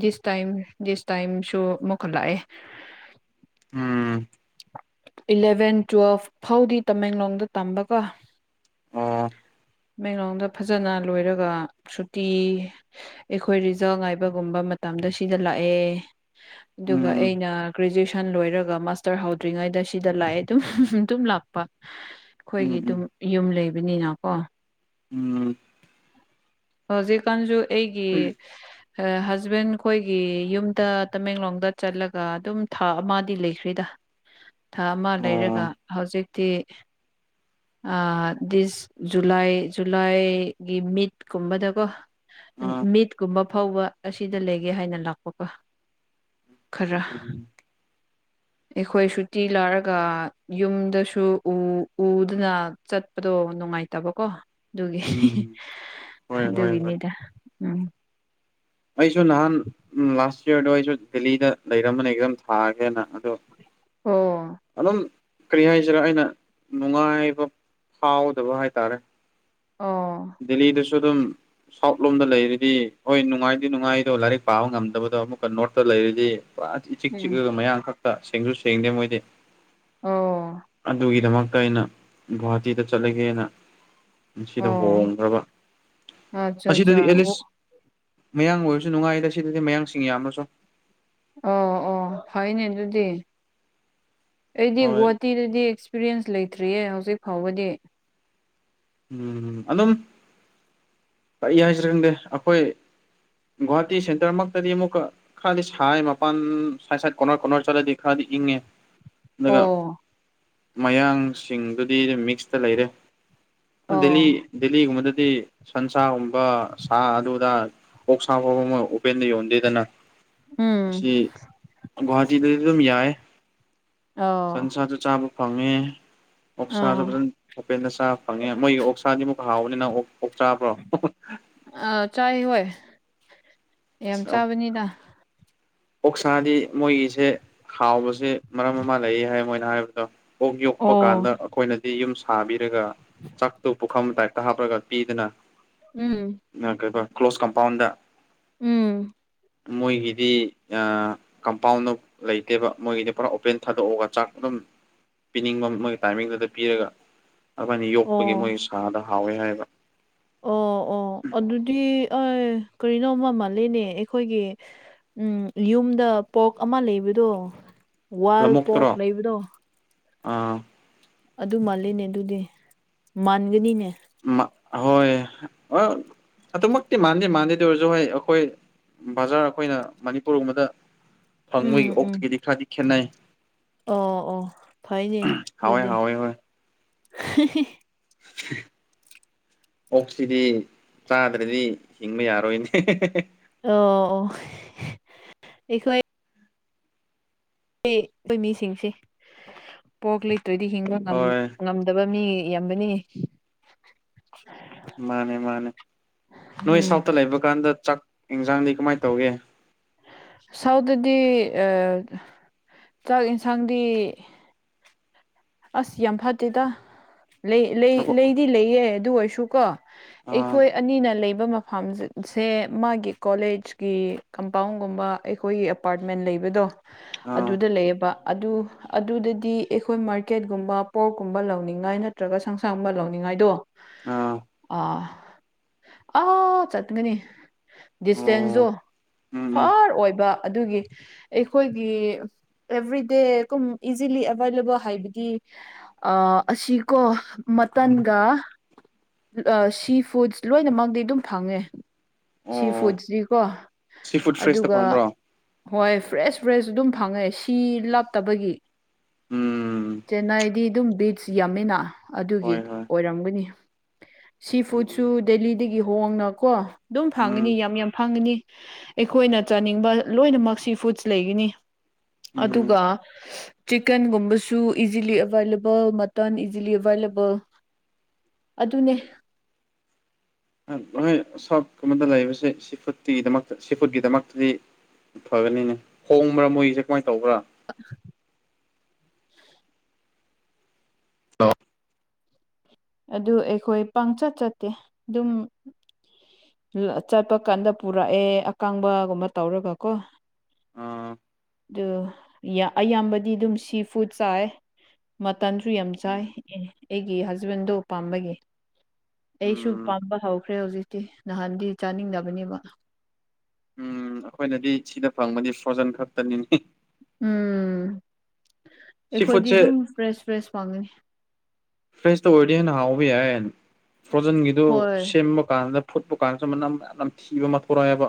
ꯗꯤꯁ ꯇꯥꯏꯝ ꯗꯤꯁ ꯇꯥꯏꯝꯁꯨ ꯑꯃꯨꯛꯀꯥ ꯂꯥꯛꯑꯦ ꯎꯝ ꯏꯂꯚꯦꯟ ꯇꯨꯋꯦꯜꯐ ꯐꯥꯎꯗꯤ ꯇꯃꯦꯡꯂꯣꯡꯗ ꯇꯝꯕꯀ‌ꯣ ꯑꯣ ꯇꯃꯦꯡꯂꯣꯡꯗ ꯐꯖꯅ ꯂꯣꯏꯔꯒ ꯁꯨꯇꯤ ꯑꯩꯈꯣꯏ ꯔꯤꯖꯜ ꯉꯥꯏꯕꯒꯨꯝꯕ ꯃꯇꯝꯗ ꯁꯤꯗ ꯂꯥꯛꯑꯦ ꯑꯗꯨꯒ ꯎꯝ ꯑꯩꯅ ꯒ꯭ꯔꯦꯖꯨꯑꯦꯁꯟ ꯂꯣꯏꯔꯒ ꯃꯥꯁꯇꯔ ꯍꯧꯗ꯭ꯔꯤꯉꯩꯗ ꯁꯤꯗꯥ ꯂꯥꯛꯑꯦ ꯑꯗꯨꯝ ꯑꯗꯨꯝ ꯂꯥꯛꯄ ꯑꯩꯈꯣꯏꯒꯤ ꯑꯗꯨꯝ ꯎꯝ ꯌꯨꯝ ꯂꯩꯕꯅꯤꯅꯀꯣ ꯎꯝ ꯍꯧꯖꯤꯛꯀꯥꯟꯁꯨ ꯑꯩꯒꯤ ꯍꯖꯕꯦꯟ ꯑꯩꯈꯣꯏꯒꯤ ꯌꯨꯝꯗ ꯇꯃꯦꯡꯂꯣꯡꯗ ꯆꯠꯂꯒ ꯑꯗꯨꯝ ꯊꯥ ꯑꯃꯗꯤ ꯂꯩꯈ꯭ꯔ‌ꯦꯗ ꯊꯥ ꯑꯃ ꯎꯝ ꯂꯩꯔꯒ ꯑꯣ ꯍꯧꯖꯤꯛꯇꯤ ꯗꯤꯁ ꯖꯨꯂꯥꯏ ꯖꯨꯂꯥꯏꯒꯤ ꯃꯤꯠꯀꯨꯝꯕꯗꯀꯣ ꯑ ꯃꯤꯠꯀꯨꯝꯕ ꯐꯥꯎꯕ ꯑꯁꯤꯗ ꯂꯩꯒꯦ ꯍꯥꯏꯅ ꯂꯥꯛꯄꯀꯣ ꯈꯔ ꯎꯝ ꯑꯩꯈꯣꯏ ꯁꯨꯇꯤ ꯂꯥꯔꯒ ꯌꯨꯝꯗꯁꯨ ꯎꯗꯅ ꯆꯠ ꯗꯣ ꯅꯨꯡꯉꯥꯏꯇꯕꯀꯣ ꯑꯗꯨꯒꯤ ꯎꯝ ꯍꯣꯏ ꯍꯣꯏ ꯍꯣꯏ ꯑꯗꯨꯒꯤꯅꯤꯗ ꯎꯝ ꯑꯩꯁꯨ ꯅꯍꯥꯟ ꯂꯥꯁ ꯌꯌꯥꯔꯗꯣ ꯑꯩꯁꯨ ꯗꯦꯜꯂꯤꯗ ꯂꯩꯔꯝꯕꯅꯦ ꯑꯗꯨꯝ ꯊꯥꯒꯦꯅ ꯑꯗꯣ ꯑꯣ ꯑꯗꯨꯝ ꯀꯔꯤ ꯍꯥꯏꯁꯤꯔ ꯑꯩꯅ ꯅꯨꯡꯉꯥꯏꯕ ꯐꯥꯎꯗꯕ ꯍꯥꯏꯇꯥꯔꯦ ꯑꯣ ꯗꯦꯜꯂꯤꯗꯁꯨ ꯑꯗꯨꯝ ꯁꯥꯎꯠ ꯂꯣꯝꯗ ꯂꯩꯔꯗꯤ ꯍꯣꯏ ꯅꯨꯡꯉꯥꯏ ꯅꯨꯡꯉꯥꯏꯗꯣ ꯂꯥꯏꯔꯤꯛ ꯄꯥꯕ ꯉꯝꯗꯕꯗꯣ ꯑꯃꯨꯛꯀ ꯅꯣꯔꯠꯇ ꯂꯩꯔꯗꯤ ꯄꯨꯔꯥ ꯏꯆꯤꯛ ꯎꯝ ꯆꯤꯛꯂꯒ ꯃꯌꯥꯡꯈꯛ ꯁꯦꯡꯁꯨ ꯁꯦꯡꯗꯦ ꯃꯣꯏꯗꯤ ꯑꯣ ꯑꯗꯨꯒꯤꯗꯃꯛꯇ ꯑꯩꯅ ꯒ‌ꯣꯍꯇꯤꯗ ꯆꯂꯒ‌ꯦꯅ ꯁꯤꯗ ꯑꯣ ꯍꯣꯡꯈ꯭ꯔꯕ ꯑꯠꯆꯥ ꯑꯠꯆꯥ ꯑꯁꯤꯗꯗꯤ ꯑꯣ ꯑꯦꯠꯂꯤꯁ ꯃꯌꯥꯡ ꯑꯣꯏꯔꯁꯨ ꯅꯨꯡꯉꯥꯏꯗ ꯁꯤꯗꯗꯤ ꯃꯌꯥꯡꯁꯤꯡ ꯑ‌ꯣꯏꯔꯁꯨ ꯑꯣ ꯑꯣ ꯐꯩꯅꯦ ꯑꯗꯨꯗꯤ ꯑꯩꯗꯤ ꯒꯨꯍꯥ ꯍꯣꯏ ꯇꯤꯗꯗꯤ ꯑꯦꯛꯁꯄꯤꯔꯤꯌꯦꯟꯁ ꯂꯩꯇ꯭ꯔꯤꯌꯦ ꯍꯧꯖꯤꯛ ꯐꯥꯎꯕꯗꯤ ꯎꯝ ꯑꯗꯨꯝ ꯀꯔꯤ ꯍꯥꯏꯁꯤꯔ ꯈꯪꯗꯦ ꯑꯩꯈꯣꯏ ꯒꯥꯎꯍꯥꯇꯤ ꯁꯦꯟꯇꯔꯃꯛ ꯆꯗꯤ ꯑꯃꯨꯛꯀ ꯈꯔꯗꯤ ꯁꯥꯏ ꯃꯄꯥꯟ ꯁꯥꯏꯠ ꯁꯥꯏꯠ ꯀꯣꯅꯔ ꯀꯣꯟꯅꯔ ꯆꯠꯂꯗꯤ ꯈꯔꯗꯤ ꯏꯪꯉꯦ ꯑꯗꯨꯒ ꯑꯣ ꯃꯌꯥꯡꯁꯤꯡꯗꯨꯗꯤ ꯑꯗꯨ ꯃꯤꯛꯁꯇ ꯂꯩꯔꯦ ꯑꯣ ꯗꯦꯜꯂꯤ ꯗꯦꯜꯂꯤꯒꯨꯝꯕꯗꯗꯤ ꯁꯟꯁꯥꯒꯨꯝꯕ ꯁꯥ ꯑꯗꯨꯗ ꯑꯣꯛ ꯁꯥ ꯐꯥꯎꯕ ꯑꯃ ꯎꯄꯦꯟꯗ ꯌꯣꯟꯗꯦꯗꯅ ꯎꯝ ꯑꯁꯤ ꯒꯨꯍꯥꯇꯤꯗꯗꯤ ꯑꯗꯨꯝ ꯌꯥꯏ ꯑꯣ ꯁꯟꯁꯥꯁꯨ ꯆꯥꯕ ꯐꯪꯉꯦ ꯑꯣꯛꯁꯥꯁꯨ ꯑꯥ ꯐꯖꯅ ꯍꯣꯄꯦꯟꯗ ꯆꯥꯕ ꯐꯪꯉꯦ ꯃꯣꯏꯒꯤ ꯑꯣꯛꯁꯥꯗꯤ ꯑꯃꯨꯛ ꯍꯥꯎꯕꯅꯤꯅ ꯑ‌ꯣꯛ ꯆꯥꯕ꯭ꯔꯣ ꯑ ꯆꯥꯏ ꯍꯣꯏ ꯌꯥꯝ ꯆꯥꯕꯅꯤꯅ ꯑꯣꯛꯁꯥꯗꯤ ꯃꯣꯏꯒꯤꯁꯦ ꯍꯥꯎꯕꯁꯦ ꯃꯔꯝ ꯑꯃ ꯂꯩꯌꯦ ꯍꯥꯏ ꯃꯣꯏꯅ ꯍꯥꯏꯕꯗꯣ ꯑꯣꯛ ꯌꯣꯛꯄ ꯀꯥꯟꯗ ꯑꯣ ꯑꯩꯈꯣꯏꯅꯗꯤ ꯌꯨꯝ ꯁꯥꯕꯤꯔꯒ ꯆꯥꯛꯇꯨ ꯄꯨꯈꯝ ꯇꯥꯏꯞꯇ ꯍꯥꯞꯄꯒ ꯄꯤꯗꯅ ꯎꯝ ꯀꯩ ꯀ꯭ꯂꯣꯁ ꯀꯝꯄꯥꯎꯟꯗ ꯎꯝ ꯃꯣꯏꯒꯤꯗꯤ ꯀꯝꯄꯥꯎꯟꯗ ꯂꯩꯇꯦꯕ ꯃꯣꯏꯒꯤꯗꯤ ꯄꯨꯔꯥ ꯑꯣꯄꯦꯟ ꯊꯥꯗꯣꯛꯑꯒ ꯆꯥꯛ ꯑꯗꯨꯝ ꯄꯤꯅꯤꯡꯕ ꯃꯣꯏꯒꯤ ꯇꯥꯏꯃꯤꯡꯗꯨꯗ ꯄꯤꯔꯒ ꯑꯩꯃꯥꯏꯅ ꯌꯣꯛꯄꯒꯤ ꯑꯣ ꯃꯣꯏꯒꯤ ꯁꯥꯗ ꯍꯥꯎꯋꯦ ꯍꯥꯏꯕ ꯑꯣ ꯑꯣ ꯑꯗꯨꯗꯤ ꯀꯔꯤꯅꯣꯃ ꯃꯥꯜꯂꯤꯅꯦ ꯑꯩꯈꯣꯏꯒꯤ ꯎꯝ ꯌꯨꯝꯗ ꯄꯣꯛ ꯑꯃ ꯂꯩꯕꯗꯣ ꯋꯥꯜ ꯄꯣꯛ ꯂꯧꯕꯨꯛꯇꯔꯣ ꯂꯩꯕꯗꯣ ꯑꯥ ꯑꯗꯨ ꯃꯥꯜꯂꯤꯅꯦ ꯑꯗꯨꯗꯤ ꯃꯥꯟꯒꯅꯤꯅꯦ ꯍꯣꯏ ꯑꯗꯨꯃꯛꯇꯤ ꯃꯥꯟꯗꯦ ꯃꯥꯟꯗꯦꯗ ꯑꯣꯏꯔꯁꯨ ꯍꯣꯏ ꯑꯩꯈꯣꯏ ꯕꯖꯥꯔ ꯑꯩꯈꯣꯏꯅ ꯃꯅꯤꯄꯨꯔꯒꯨꯝꯕꯗ ꯎꯝ ꯐꯪꯕꯣꯏꯒꯤ ꯎꯝ ꯑꯣꯛꯇꯒꯤꯗꯤ ꯈꯔꯗꯤ ꯈꯦꯠꯅꯩ ꯑꯣ ꯑꯣ ꯐꯥꯏꯅꯦ ꯍꯥꯎꯋꯦ ꯑꯗꯨꯗꯤ ꯍꯥꯎꯋꯦ ꯎ ꯑꯣꯛꯁꯤꯗꯤ ꯆꯥꯗ꯭ꯔꯗꯤ ꯍꯤꯡꯕ ꯌꯥꯔꯣꯏꯅꯦ ꯑꯣ ꯑꯣ ꯑꯩꯈ ꯑꯩ ꯑꯩꯈꯣꯏ ꯃꯤꯁꯤꯡꯁꯦ ꯄꯣꯛ ꯂꯩꯇ꯭ꯔꯣꯏꯗꯤ ꯍꯤꯡꯕ ꯍꯣꯏ ꯉꯝꯗꯕ ꯃꯤ ꯏ ꯌꯥꯝꯕꯅꯤ ꯃꯥꯅꯦ ꯃꯥꯅꯦ ꯅꯣꯏ ꯎꯝ ꯁꯥꯎꯠꯇ ꯂꯩꯕ ꯀꯥꯟꯗ ꯆꯥꯛ ꯌꯦꯟꯁꯥꯡꯗꯤ ꯀꯃꯥꯏꯅ ꯇꯧꯒꯦ ꯁꯥꯎꯗꯗꯤ ꯆꯥꯛ ꯌꯦꯟꯁꯥꯡꯗꯤ ꯑꯁ ꯌꯥꯝ ꯐꯠꯇꯦꯗ ꯑꯈꯣ ꯂꯩꯗꯤ ꯂꯩꯌꯦꯦ ꯑꯗꯨ ꯑꯣꯏꯔꯁꯨ ꯀꯣ ꯑꯥ ꯑꯩꯈꯣꯏ ꯑꯅꯤꯅ ꯂꯩꯕ ꯐꯥꯝ ꯁꯦ ꯃꯥꯒꯤ ꯀꯣꯂꯦꯖꯀꯤ ꯀꯝꯄꯥꯎꯟꯒꯨꯝꯕ ꯑꯩꯈꯣꯏꯒꯤ ꯑꯦꯄꯥꯔꯠꯃꯦꯟ ꯂꯩꯕꯗꯣ ꯑꯥ ꯑꯗꯨꯗ ꯂꯩꯌꯦꯕ ꯑꯗꯨ ꯑꯗꯨꯗꯗꯤ ꯑꯩꯈꯣꯏ ꯃꯥꯔ ꯄꯀꯦꯠꯀꯨꯝꯕ ꯄꯣꯔꯀꯨꯝꯕ ꯂꯧꯅꯤꯡꯉꯥꯏ ꯅꯠꯇ꯭ꯔꯒ ꯁꯪꯁꯥꯡꯒꯨꯝꯕ ꯂꯧꯅꯤꯡꯉꯥꯏꯗꯣ ꯑꯥ ꯑꯥ ꯑ ꯆꯠꯒꯅꯤ ꯗꯤꯁꯇꯦꯟꯁꯁꯨ ꯑꯣ ꯎꯝ ꯎꯝ ꯐꯥꯔ ꯑꯣꯏꯕ ꯑꯗꯨꯒꯤ ꯑꯩꯈꯣꯏꯒꯤ ꯑꯦꯚ꯭ꯔꯤꯗꯦ ꯀꯨꯝ ꯏꯖꯤꯂꯤ ꯑꯦꯕꯥꯏꯂꯦꯕꯜ ꯍꯥꯏꯕꯗꯤ ꯑ ꯑꯁꯤꯀꯣ ꯎꯝ ꯃꯇꯝꯒ ꯁꯤ ꯐꯨꯗꯁ ꯂꯣꯏꯅꯃꯗꯤꯤ ꯑꯗꯨꯝ ꯐꯪꯉꯦ ꯁꯤ ꯑꯣ ꯐꯨꯗꯁꯤꯀꯣ ꯁꯤ ꯐꯨꯗ ꯐ꯭ꯔꯦꯁꯇ ꯑꯗꯨꯒ ꯐꯪꯕ꯭ꯔꯣ ꯍꯣꯏ ꯐ꯭ꯔꯦꯁ ꯐ꯭ꯔꯦꯁ ꯑꯗꯨꯝ ꯐꯪꯉꯦ ꯁꯤ ꯂꯥꯞꯇꯕꯒꯤ ꯎꯝ ꯆꯦꯟꯅꯥꯏꯗꯤ ꯑꯗꯨꯝ ꯕꯤꯠꯆ ꯌꯥꯝꯃꯤꯅ ꯑꯗꯨꯒꯤ ꯍꯣꯏ ꯍꯣꯏ ꯑꯣꯏꯔꯝꯒꯅꯤ ꯁꯤ ꯎꯝ ꯐꯨꯗꯁꯨ ꯗꯦꯂꯤꯗꯒꯤ ꯍꯣꯡꯅ ꯀꯣ ꯑꯗꯨꯝ ꯎꯝ ꯐꯪꯉꯅꯤ ꯌꯥꯝ ꯌꯥꯝ ꯐꯪꯒꯅꯤ ꯑꯩꯈꯣꯏꯅ ꯆꯥꯅꯤꯡꯕ ꯂꯣꯏꯅꯃꯛ ꯁꯤ ꯐꯨꯗꯁ ꯂꯩꯈꯤꯅꯤ ꯎꯝ ꯑꯗꯨꯒ ꯆꯤꯛꯀꯟꯒꯨꯝꯕꯁꯨ ꯏꯖꯤꯂꯤ ꯑꯦꯕꯥꯏꯂꯦꯕꯜ ꯃꯇꯟ ꯏꯖꯤꯂꯤ ꯑꯦꯕꯥꯏꯂꯦꯕꯜ ꯑꯗꯨꯅꯦ ꯍꯣꯏ ꯁꯣꯀꯨꯝꯕꯗ ꯂꯩꯕꯁꯦ ꯁꯤ ꯐꯨꯗꯠꯇꯨꯒꯤꯗꯃꯛꯇ ꯁꯤ ꯐꯨꯠꯀꯤꯗꯃꯛꯇꯗꯤ ꯐꯒꯅꯤꯅꯦ ꯍꯣꯡꯕ꯭ꯔꯥ ꯃꯣꯏꯁꯦ ꯀꯃꯥꯏꯅ ꯇꯧꯕ꯭ꯔꯥ ꯑ ꯑ ꯑꯗꯨ ꯑꯩꯈꯣꯏ ꯄꯪꯆꯠ ꯆꯠꯇꯦ ꯑꯗꯨꯝ ꯆꯠꯄ ꯀꯥꯟꯗ ꯄꯨꯔꯛꯑꯦ ꯑꯀꯪꯕꯒꯨꯝꯕ ꯇꯧꯔꯒ ꯀꯣ ꯑꯥ ꯑꯗꯨ ꯑꯌꯥꯝꯕꯗꯤ ꯑꯗꯨꯝ ꯁꯤ ꯐꯨꯗ ꯆꯥꯏꯦ ꯃꯇꯁꯨ ꯌꯥꯝ ꯆꯥꯏ ꯑꯦ ꯑꯩꯒꯤ ꯍꯖꯕꯦꯟꯗꯣ ꯄꯥꯝꯕꯒꯤ ꯑꯩꯁꯨ ꯎꯝ ꯄꯥꯝꯕ ꯍꯧꯈ꯭ꯔꯦ ꯍꯧꯖꯤꯛꯇꯤ ꯅꯍꯥꯟꯗꯤ ꯆꯥꯅꯤꯡꯗꯕꯅꯦꯕ ꯎꯝ ꯑꯩꯈꯣꯏꯅꯗꯤ ꯁꯤꯗ ꯐꯪꯕꯗꯤ ꯐ꯭ꯔꯣꯖꯟ ꯈꯛꯇꯅꯤꯅꯤ ꯎꯝ ꯁꯤ ꯑꯩꯈꯣꯏꯗꯤ ꯐꯨꯗꯁꯦ ꯑꯗꯨꯝ ꯐ꯭ꯔꯦꯁ ꯐ꯭ꯔꯦꯁ ꯐꯪꯉꯦ ꯐ꯭ꯔꯦꯁꯇ ꯑꯣꯏꯔꯗꯤ ꯍꯦꯟꯅ ꯍꯥꯎꯕ ꯌꯥꯏ ꯐ꯭ꯔꯣꯖꯟꯒꯤꯗꯨ ꯍꯣꯏ ꯁꯦꯝꯕ ꯗꯨ ꯀꯥꯟꯗ ꯐꯨꯠ ꯀꯥꯟꯁꯨꯅꯝ ꯌꯥꯝꯅ ꯊꯤꯕ ꯃꯊꯣꯔꯛꯑꯦꯕ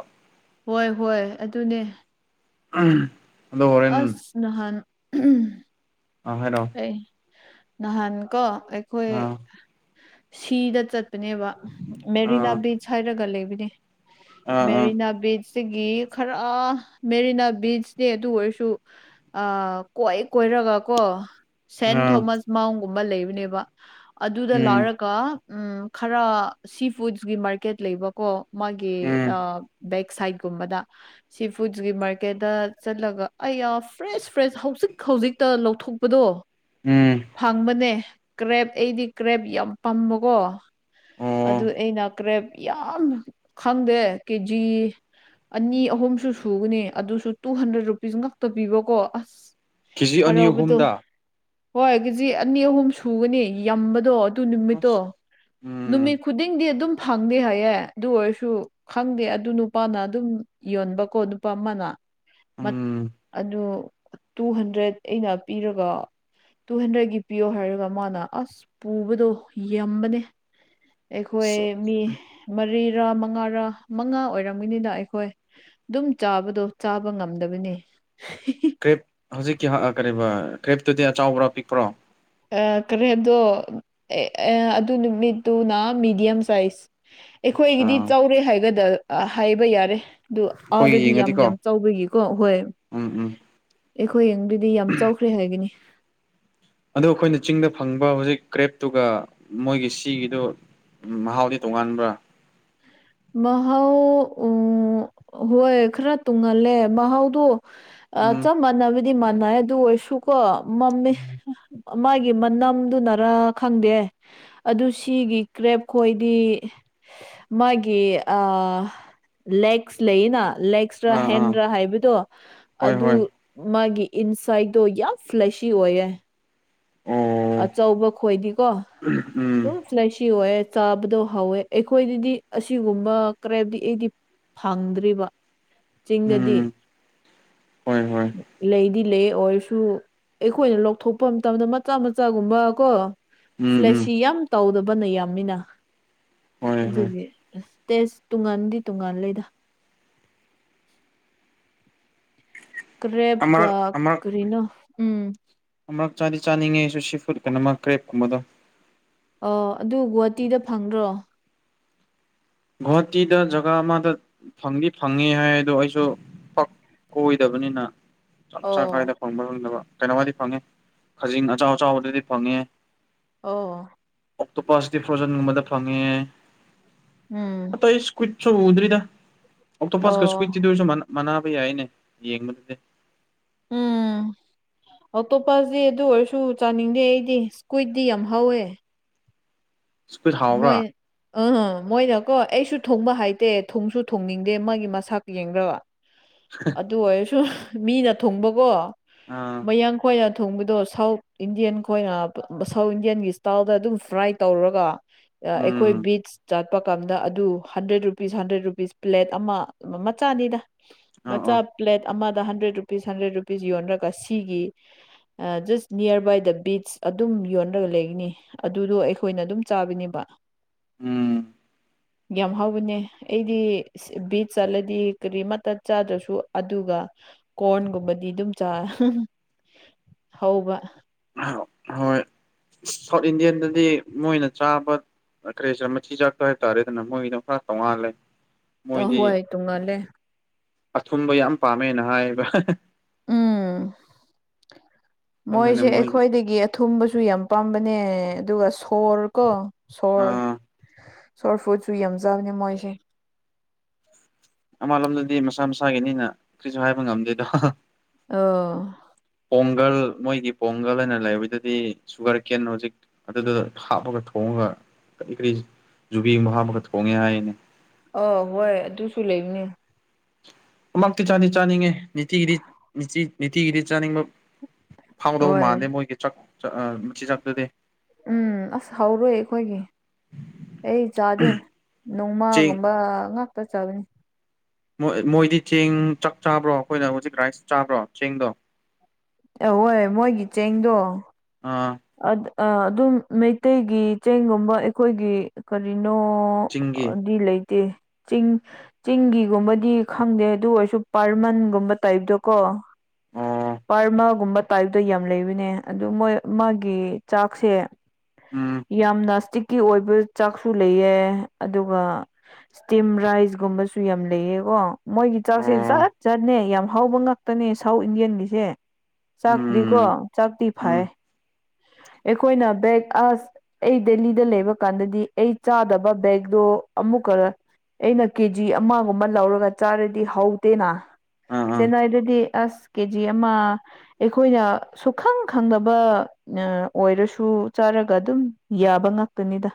ꯍꯣꯏ ꯍꯣꯏ ꯑꯗꯨꯅꯦ ꯎꯝ ꯑꯁ ꯅꯍꯥꯟ ꯑ ꯍꯥꯏꯔꯣ ꯅꯍꯥꯟ ꯀꯣ ꯑꯩꯈꯣꯏ ꯑꯥ ꯁꯤꯗ ꯆꯠ ꯅꯦꯕ ꯃꯦꯔꯤꯅꯥ ꯑꯥ ꯕꯤꯆ ꯍꯥꯏꯔꯒ ꯂꯩꯕꯅꯦ ꯑꯥ ꯑꯥ ꯃꯦꯔꯤꯅꯥ ꯕꯤꯆ ꯁꯤꯒꯤ ꯈꯔ ꯃꯦꯔꯤꯅꯥ ꯕꯤꯁꯅꯦ ꯑꯗꯨ ꯑꯣꯏꯔꯁꯨ ꯑ ꯀꯣꯏ ꯀꯣꯏꯔꯒ ꯀꯣ ꯁꯦꯟ ꯑꯥ ꯊꯣꯃꯁ ꯃꯥꯎꯟꯒꯨꯝꯕ ꯂꯩꯕꯅꯦꯕ ꯑꯗꯨꯗ ꯎꯝ ꯂꯥꯎꯔꯒ ꯎꯝ ꯈꯔ ꯁꯤ ꯐꯨꯗꯁꯀꯤ ꯃꯥꯔꯀꯦꯠ ꯂꯩꯕꯀꯣ ꯃꯥꯒꯤ ꯎꯝ ꯕꯦꯛ ꯁꯥꯏꯠꯀꯨꯝꯕꯗ ꯁꯤ ꯐꯨꯗꯁꯀꯤ ꯃꯥꯔꯀꯦꯠꯇ ꯆꯠꯂꯒ ꯑꯩ ꯌꯥꯝ ꯐ꯭ꯔꯦꯁ ꯐ꯭ꯔꯦꯁ ꯍꯧꯖꯤꯛ ꯍꯧꯖꯤꯛꯇ ꯊꯣꯛꯄꯗꯣ ꯎꯝ ꯐꯪꯕꯅꯦ ꯀ꯭ꯔꯦꯞ ꯑꯩꯗꯤ ꯀ꯭ꯔꯦꯞ ꯌꯥꯝ ꯄꯥꯝꯕꯀꯣ ꯑꯣ ꯑꯗꯨ ꯑꯩꯅ ꯀ꯭ꯔꯦꯞ ꯌꯥꯝ ꯈꯪꯗꯦ ꯀꯦꯖꯤ ꯑꯅꯤ ꯑꯍꯨꯝꯁꯨ ꯁꯨꯒꯅꯤ ꯑꯗꯨꯁꯨ ꯇꯨ ꯍꯟꯗ꯭ꯔꯦꯗ ꯔꯨꯄꯤꯁ ꯉꯥꯛꯛꯇ ꯄꯤꯕꯀꯣ ꯑꯁ ꯀꯦ ꯖꯤ ꯑꯅꯤ ꯍꯔꯥꯎꯕꯗꯣ ꯑꯍꯨꯝꯗ ꯍꯣꯏ ꯀꯦꯖꯤ ꯑꯅꯤ ꯑꯍꯨꯝ ꯁꯨꯒꯅꯤ ꯌꯥꯝꯕꯗꯣ ꯑꯗꯨ ꯅꯨꯃꯤꯠꯇꯣ ꯑꯁ ꯎꯝ ꯅꯨꯃꯤꯠ ꯈꯨꯗꯤꯡꯗꯤ ꯑꯗꯨꯝ ꯐꯪꯗꯦ ꯍꯥꯏꯌꯦ ꯑꯗꯨ ꯑꯣꯏꯔꯁꯨ ꯈꯪꯗꯦ ꯑꯗꯨ ꯅꯨꯄꯥꯅ ꯑꯗꯨꯝ ꯌꯣꯟꯕꯀꯣ ꯅꯨꯄꯥ ꯑꯃꯅ ꯎꯝ ꯑꯗꯨ ꯇꯨ ꯍꯟꯗ꯭ꯔꯦꯗ ꯑꯩꯅ ꯄꯤꯔꯒ ꯇꯨ ꯍꯟꯗ꯭ꯔꯦꯗꯀꯤ ꯄꯤꯌꯣ ꯍꯥꯏꯔꯒ ꯃꯥꯅ ꯑꯁ ꯄꯨꯕꯗꯣ ꯌꯥꯝꯕꯅꯦ꯫ ꯑꯩꯈꯣꯏ ꯃꯤ ꯃꯔꯤꯔ ꯃꯉꯥꯔ ꯃꯉꯥ ꯑꯣꯏꯔꯝꯃꯤꯅꯤꯅ ꯑꯩꯈꯣꯏ ꯑꯗꯨꯝ ꯆꯥꯕꯗꯣ ꯆꯥꯕ ꯉꯝꯗꯕꯅꯤ꯫ ꯀ꯭ꯔꯦꯞ ꯍꯧꯖꯤꯛꯀꯤ ꯀꯔꯤꯕ ꯀ꯭ꯔꯦꯞꯇꯨꯗꯤ ꯑꯆꯧꯕꯔꯣ ꯑꯄꯤꯛꯄ꯭ꯔꯣ ꯀꯔꯤ ꯍꯥꯏꯗꯣ ꯑꯗꯨ ꯅꯨꯃꯤꯠꯇꯨꯅ ꯃꯤꯗꯤꯌꯝ ꯁꯥꯏꯖ ꯑꯩꯈꯣꯏꯒꯤꯗꯤ ꯑꯠꯆꯥ ꯆꯥꯎꯔꯦ ꯍꯥꯏꯒꯗ꯭ꯔ ꯍꯥꯏꯕ ꯌꯥꯔꯦ꯫ ꯑꯗꯨ ꯑꯩꯈꯣꯏ ꯑꯥꯗꯗꯤ ꯌꯥꯝ ꯌꯦꯡꯉꯗꯤꯀꯣ ꯌꯥꯝ ꯆꯥꯎꯕꯒꯤꯀꯣ ꯍꯣꯏ ꯎꯝ ꯎꯝ ꯑꯩꯈꯣꯏꯡꯗꯨꯗꯤ ꯌꯥꯝ ꯆꯥꯎꯈ꯭ꯔꯦ ꯍꯥꯏꯒꯅꯤ꯫ ꯑꯗꯨꯗ ꯑꯩꯈꯣꯏꯅ ꯆꯤꯡꯗ ꯐꯪꯕ ꯍꯧꯖꯤꯛ ꯀ꯭ꯔꯦꯞꯇꯨꯒ ꯃꯣꯏꯒꯤ ꯁꯤꯒꯤꯗꯨ ꯎꯝ ꯃꯍꯥꯎꯗꯤ ꯇꯣꯉꯥꯟꯕ꯭ꯔꯥ ꯃꯍꯥꯎ ꯎ ꯍꯣꯏ ꯈꯔ ꯇꯣꯉꯥꯜꯂꯦ ꯃꯍꯥꯎꯗꯣ ꯑ ꯎꯝ ꯆꯞ ꯃꯥꯟꯅꯕꯗꯤ ꯃꯥꯟꯅꯩ ꯑꯗꯨ ꯑꯣꯏꯔꯁꯨꯀꯣ ꯃꯝꯃꯦ꯫ ꯃꯥꯒꯤ ꯃꯅꯝꯗꯨꯅꯔꯥ ꯈꯪꯗꯦ꯫ ꯑꯗꯨ ꯁꯤꯒꯤ ꯀ꯭ꯔꯦꯞ ꯈꯣꯏꯗꯤ ꯃꯥꯒꯤ꯫ ꯂꯦꯒꯁ ꯂꯩꯅ ꯂꯦꯒꯁ ꯇ꯭ꯔ ꯑꯥ ꯑꯥ ꯍꯦꯟꯗ꯭ꯔꯥ ꯍꯥꯏꯕꯗꯣ ꯍꯣꯏ ꯑꯗꯨ ꯍꯣꯏ ꯃꯥꯒꯤ ꯏꯟꯁꯥꯏꯠꯇꯣ ꯌꯥꯝ ꯐ꯭ꯂꯦꯁꯤ ꯑꯣꯏꯌꯦ꯫ ꯑꯣ ꯑꯆꯧꯕ ꯈꯣꯏꯗꯤꯀꯣ꯫ ꯎꯝ ꯑꯗꯨꯝ ꯏꯁꯂꯥꯏꯁꯤ ꯑꯣꯏꯌꯦ ꯆꯥꯕꯗꯣ ꯍꯥꯎꯋꯦ ꯑꯩꯈꯣꯏꯗꯗꯤ ꯑꯁꯤꯒꯨꯝꯕ ꯀꯔ ꯍꯥꯏꯝꯗꯤ ꯑꯩꯗꯤ ꯐꯪꯗ꯭ꯔꯤꯕ ꯆꯤꯡꯗꯗꯤ ꯎꯝ ꯍꯣꯏ ꯍꯣꯏ ꯂꯩꯗꯤ ꯂꯩ ꯑꯣꯏꯔꯁꯨ ꯑꯩꯈꯣꯏꯅ ꯂꯧꯊꯣꯛꯄ ꯃꯇꯝꯗ ꯃꯆꯥ ꯃꯆꯥꯒꯨꯝꯕ ꯀꯣ ꯎꯝ ꯎꯝ ꯐ꯭ꯂꯦꯁꯁꯤ ꯌꯥꯝ ꯇꯧꯗꯕꯅ ꯌꯥꯝꯅꯤꯅ ꯍꯣꯏ ꯍꯣꯏ ꯑꯗꯨꯒꯤ ꯑꯁ ꯇꯦꯁ ꯇꯨꯡꯉꯥꯟꯗꯤ ꯇꯣꯉꯥꯟ ꯂꯦꯗ ꯀ꯭ꯔꯦꯞꯒ ꯑꯃꯔꯛ ꯀꯔꯤꯅꯣ ꯎꯝ ꯑꯃꯨꯔꯛ ꯆꯥꯗꯤ ꯆꯥꯅꯤꯡꯉꯦꯁꯨ ꯁꯤ ꯐꯨꯗ ꯀꯩꯅꯣꯃ ꯀ꯭ꯔꯦꯞꯀꯨꯝꯕꯗꯣ ꯑꯣ ꯑꯗꯨ ꯒꯨꯍꯥꯇꯤꯗ ꯐꯪꯗ꯭ꯔꯣ? ꯒꯨꯍꯥꯇꯤꯗ ꯖꯒꯥ ꯑꯃꯗ ꯐꯪꯗꯤ ꯐꯪꯉꯦ ꯍꯥꯏ ꯑꯗꯣ ꯑꯩꯁꯨ ꯀꯣꯏꯗꯕꯅꯤꯅ ꯆꯞ ꯆꯥ ꯀꯥꯏꯗ ꯑꯣ ꯐꯪꯕ ꯉꯝꯗꯕ ꯀꯩꯅꯣꯃꯗꯤ ꯐꯪꯉꯦ ꯈꯖꯤꯡ ꯑꯆꯥꯎ ꯑꯆꯥꯎꯕꯗꯗꯤ ꯐꯪꯉꯦ꯫ ꯑꯣ ꯑꯣꯛꯇꯣꯄꯥꯁꯀꯤ ꯐ꯭ꯔꯣꯖꯟꯒꯨꯝꯕꯗ ꯐꯪꯉꯦ꯫ ꯎꯝ ꯑ ꯑꯩ ꯏꯁꯀꯨꯋꯤꯠꯁꯨ ꯎꯗ꯭ꯗ ꯑꯣꯛꯇꯣ ꯐꯁꯀ ꯑꯣ ꯁꯀꯋꯤꯠꯗꯣꯏ ꯁꯅ ꯃꯅꯥꯕ ꯌꯥꯏꯅꯦ ꯌꯦꯡꯕꯗꯨꯗꯤ꯫ ꯎꯝ (inaudible) ꯑꯇꯣꯞꯄꯁꯦ ꯑꯗꯨ ꯑꯣꯏꯔꯁꯨ ꯆꯥꯅꯤꯡꯗꯦ ꯑꯩꯗꯤ ꯁ꯭ꯀꯨꯏꯠꯇꯗꯤ ꯌꯥꯝ ꯍꯧꯋꯦ꯫ ꯏꯁꯀ꯭ꯋꯤꯠ ꯃꯣꯏ ꯍꯥꯎꯕ꯭ꯔꯥ ꯑꯝ ꯃꯣꯏꯅꯀꯣ ꯑꯩꯁꯨ ꯊꯣꯡꯕ ꯍꯥꯏꯇꯦ ꯊꯣꯡꯁꯨ ꯊꯣꯡꯅꯤꯡꯗꯦ ꯃꯥꯒꯤ ꯃꯁꯥꯛ ꯌꯦꯡꯗ꯭ꯔꯕ (unintelligible) ꯑꯗꯨ ꯑꯣꯏꯔꯁꯨ ꯃꯤꯅ ꯊꯨꯡꯕꯀꯣ ꯑꯥ ꯃꯌꯥꯡ ꯈꯣꯏꯅ ꯊꯣꯡꯕꯗꯣ ꯁꯥꯎꯠ ꯏꯟꯗꯤꯌꯟ ꯈꯣꯏꯅ ꯁꯥꯎꯠ ꯏꯟꯗꯤꯌꯟꯒꯤ ꯏꯁꯇꯥꯏꯜꯗ ꯑꯗꯨꯝ ꯐ꯭ꯔꯥꯏ ꯇꯧꯔꯒ ꯑꯩꯈꯣꯏ ꯎꯝ ꯕꯤꯠꯆ ꯆꯥꯠꯄ ꯀꯥꯟꯗ ꯑꯗꯨ hundred rupees hundred rupees plate ꯑꯃ ꯃꯆꯥꯅꯤꯗ ꯑꯥ ꯃꯆꯥ ꯑꯥ ꯄ꯭ꯂꯦꯠ ꯑꯃꯗ ꯍꯟꯗ꯭ꯔꯦꯠ ꯔꯨꯄꯤꯁ ꯍꯟꯗ꯭ꯔꯦꯠ ꯔꯨꯄꯤꯁ ꯌꯣꯟꯔꯒ ꯁꯤꯒꯤ ꯖꯁ ꯅꯤꯌꯔ ꯕꯥꯏ ꯗ ꯕꯤꯆ ꯑꯗꯨꯝ ꯌꯣꯟꯔꯒ ꯂꯩꯒꯅꯤ ꯑꯗꯨꯗꯣ ꯑꯩꯈꯣꯏꯅ ꯑꯗꯨꯝ ꯆꯥꯕꯤꯅꯦꯕ꯫ ꯎꯝ ꯌꯥꯝꯒ꯭ ꯍꯥꯎꯕꯅꯦ ꯑꯩꯗꯤ ꯕꯤꯠ ꯆꯠꯂꯗꯤ ꯀꯔꯤꯃꯇ ꯆꯥꯗ꯭ꯔꯁꯨ ꯑꯗꯨꯒ ꯀꯣꯔꯟꯒꯨꯝꯕꯗꯤ ꯑꯗꯨꯝ ꯆꯥ ꯍꯧꯕ ꯍꯣꯏ ꯁꯥꯎꯠ ꯏꯟꯗꯤꯌꯥꯟꯗꯗꯤ ꯃꯣꯏꯅ ꯆꯥꯕ ꯈ꯭ꯔꯦꯁꯔ ꯃꯆꯤꯖꯥꯛꯇꯣ ꯍꯥꯏꯕꯇꯥꯔꯦꯗꯅ ꯃꯣꯏꯒꯤ ꯑꯗꯨ ꯈꯔ ꯇꯣꯡꯉꯥꯜꯂꯦ ꯑ ꯃꯣꯏꯗꯤ ꯍꯣꯏ ꯇꯨ ꯂꯩꯦ ꯑꯊꯨꯝꯕ ꯌꯥꯝ ꯄꯥꯝꯃꯦꯅ ꯍꯥꯏꯕ ꯎꯝ ꯑꯗꯨꯅ ꯃꯣꯏꯁꯦ ꯃꯣꯏꯒꯤ ꯑꯩꯈꯣꯏꯗꯒꯤ ꯊꯨꯝꯕꯁꯨ ꯌꯥꯝ ꯄꯥꯝꯕꯅꯦ ꯑꯗꯨꯒ ꯁꯣꯔ ꯀꯣ ꯁꯣꯔ ꯑꯥ ꯁꯣꯔꯠ ꯐꯨꯗꯁꯨ ꯌꯥꯝꯖꯕꯅꯦ ꯃꯣꯏꯁꯦ ꯃꯥꯟꯂꯣꯝꯗꯗꯤ ꯃꯁꯥ ꯃꯁꯥꯒꯤꯅꯤꯅ ꯀꯔꯤꯁꯨ ꯍꯥꯏꯕ ꯉꯝꯗꯦꯗꯣ ꯑ ꯄꯣꯡꯒꯜ ꯃꯣꯏꯒꯤ ꯄꯣꯡꯒꯜ ꯍꯥꯏꯅ ꯂꯩꯕꯗꯗꯤ ꯁꯨꯒꯔ ꯀꯦꯟ ꯍꯧꯖꯤꯛ ꯑꯗꯨꯗꯨꯗ ꯍꯥꯞꯄꯒ ꯊꯣꯡꯉꯒ ꯀꯔꯤ ꯀꯔꯤ ꯖꯨꯕꯤꯒꯨꯝꯕ ꯍꯥꯞꯄꯒ ꯊꯣꯡꯉꯦ ꯍꯥꯏꯌꯦꯅꯦ ꯑ ꯍꯣꯏ ꯑꯗꯨꯁꯨ ꯂꯩꯕꯅꯦ ꯑꯃꯇꯤ ꯆꯥꯗꯤ ꯆꯥꯅꯤꯡꯉꯦ ꯅꯤꯇꯤꯒꯤꯗꯤꯤ ꯅꯤꯇꯤꯒꯤꯗꯤ ꯆꯥꯅꯤꯡꯕ ꯐꯥꯎꯗꯧ ꯍꯣꯏ ꯃꯥꯟꯂꯦ ꯃꯣꯏꯒꯤ ꯆꯥꯛ ꯃꯆꯤꯟꯖꯥꯛꯇꯨꯗꯤ ꯎꯝ ꯑꯁ ꯍꯧꯔꯣꯏ ꯑꯩꯈꯣꯏꯒꯤ ꯑꯩ ꯆꯥꯗꯦ ꯆꯦꯡ ꯅꯣꯡꯃꯒꯨꯝꯕ ꯉꯥꯛꯇ ꯆꯥꯕꯅꯤ ꯣꯏ ꯃꯣꯏꯗꯤ ꯆꯦꯡ ꯆꯥꯛ ꯆꯥꯕ꯭ꯔꯣ ꯑꯩꯈꯣꯏꯅ ꯍꯧꯖꯤꯛ ꯔꯥꯏꯁ ꯆꯥꯕ꯭ꯔꯣ ꯆꯦꯡꯗꯣ ꯑꯧ ꯍꯣꯏ ꯃꯣꯏꯒꯤ ꯆꯦꯡꯗꯣ ꯑꯥ ꯑꯗꯨꯝ ꯃꯩꯇꯩꯒꯤ ꯆꯦꯡꯒꯨꯝꯕ ꯑꯩꯈꯣꯏꯒꯤ ꯀꯔꯤꯅꯣ ꯆꯤꯡꯒꯤ ꯗꯤ ꯂꯩꯇꯦ ꯆꯤꯡ ꯆꯤꯡꯒꯤꯒꯨꯝꯕꯗꯤ ꯈꯪꯗꯦ ꯑꯗꯨ ꯑꯣꯏꯔꯁꯨ ꯄꯔꯃꯟꯒꯨꯝꯕ ꯇꯥꯏꯞꯇꯣ ꯀꯣ ꯑꯣ ꯄꯔꯃꯒꯨꯝꯕ ꯇꯥꯏꯞꯇ ꯌꯥꯝ ꯂꯩꯕꯅꯦ ꯑꯗꯨ ꯃꯣꯏ ꯃꯥꯒꯤ ꯆꯥꯛꯁꯦ ꯎꯝ ꯌꯥꯝꯅ ꯏꯁꯇꯤꯛꯀꯤ ꯑꯣꯏꯕ ꯆꯥꯛꯁꯨ ꯂꯩꯑ ꯑꯗꯨꯒ ꯇꯤꯝ ꯔꯥꯏꯁꯒꯨꯝꯕꯁꯨ ꯌꯥꯝ ꯂꯩꯌꯦꯀꯣ ꯃꯣꯏꯒꯤ ꯆꯥꯛꯁꯦ ꯑꯣ ꯖꯥꯠ ꯖꯠꯅꯦ ꯌꯥꯝ ꯍꯧꯕ ꯉ ꯈꯛꯇꯅꯦ ꯁꯥꯎꯠ ꯏꯟꯗꯤꯌꯟ ꯃꯤꯁꯦ ꯎꯝ ꯆꯥꯛꯇꯤꯀꯣ ꯆꯥꯛꯇꯤ ꯎꯝ ꯐꯥꯏꯌꯦ ꯑꯩꯈꯣꯏꯅ ꯕꯦꯛ ꯑꯁ ꯑꯩ ꯗꯦꯜꯂꯤꯗ ꯂꯩꯕ ꯀꯥꯟꯗꯗꯤ ꯑꯩ ꯆꯥꯗꯕ ꯕꯦꯒꯗꯣ ꯑꯃꯨꯛꯀ ꯑꯩꯅ ꯀꯦꯖꯤ ꯑꯃꯒꯨꯝꯕ ꯂꯧꯔꯒ ꯆꯥꯔꯗꯤ ꯍꯧꯗꯦꯅ ꯑꯥ ꯑꯥ ꯆꯦꯟꯅꯥꯏꯗꯗꯤ ꯑꯁ ꯀꯦꯖꯤ ꯑꯃ ꯑꯩꯈꯣꯏꯅ ꯁꯨꯛꯈꯪ ꯈꯪꯗꯕ ꯅ ꯑꯣꯏꯔꯁꯨ ꯆꯥꯔꯒ ꯑꯗꯨꯝ ꯌꯥꯕ ꯉꯥꯛꯇꯅꯤꯗ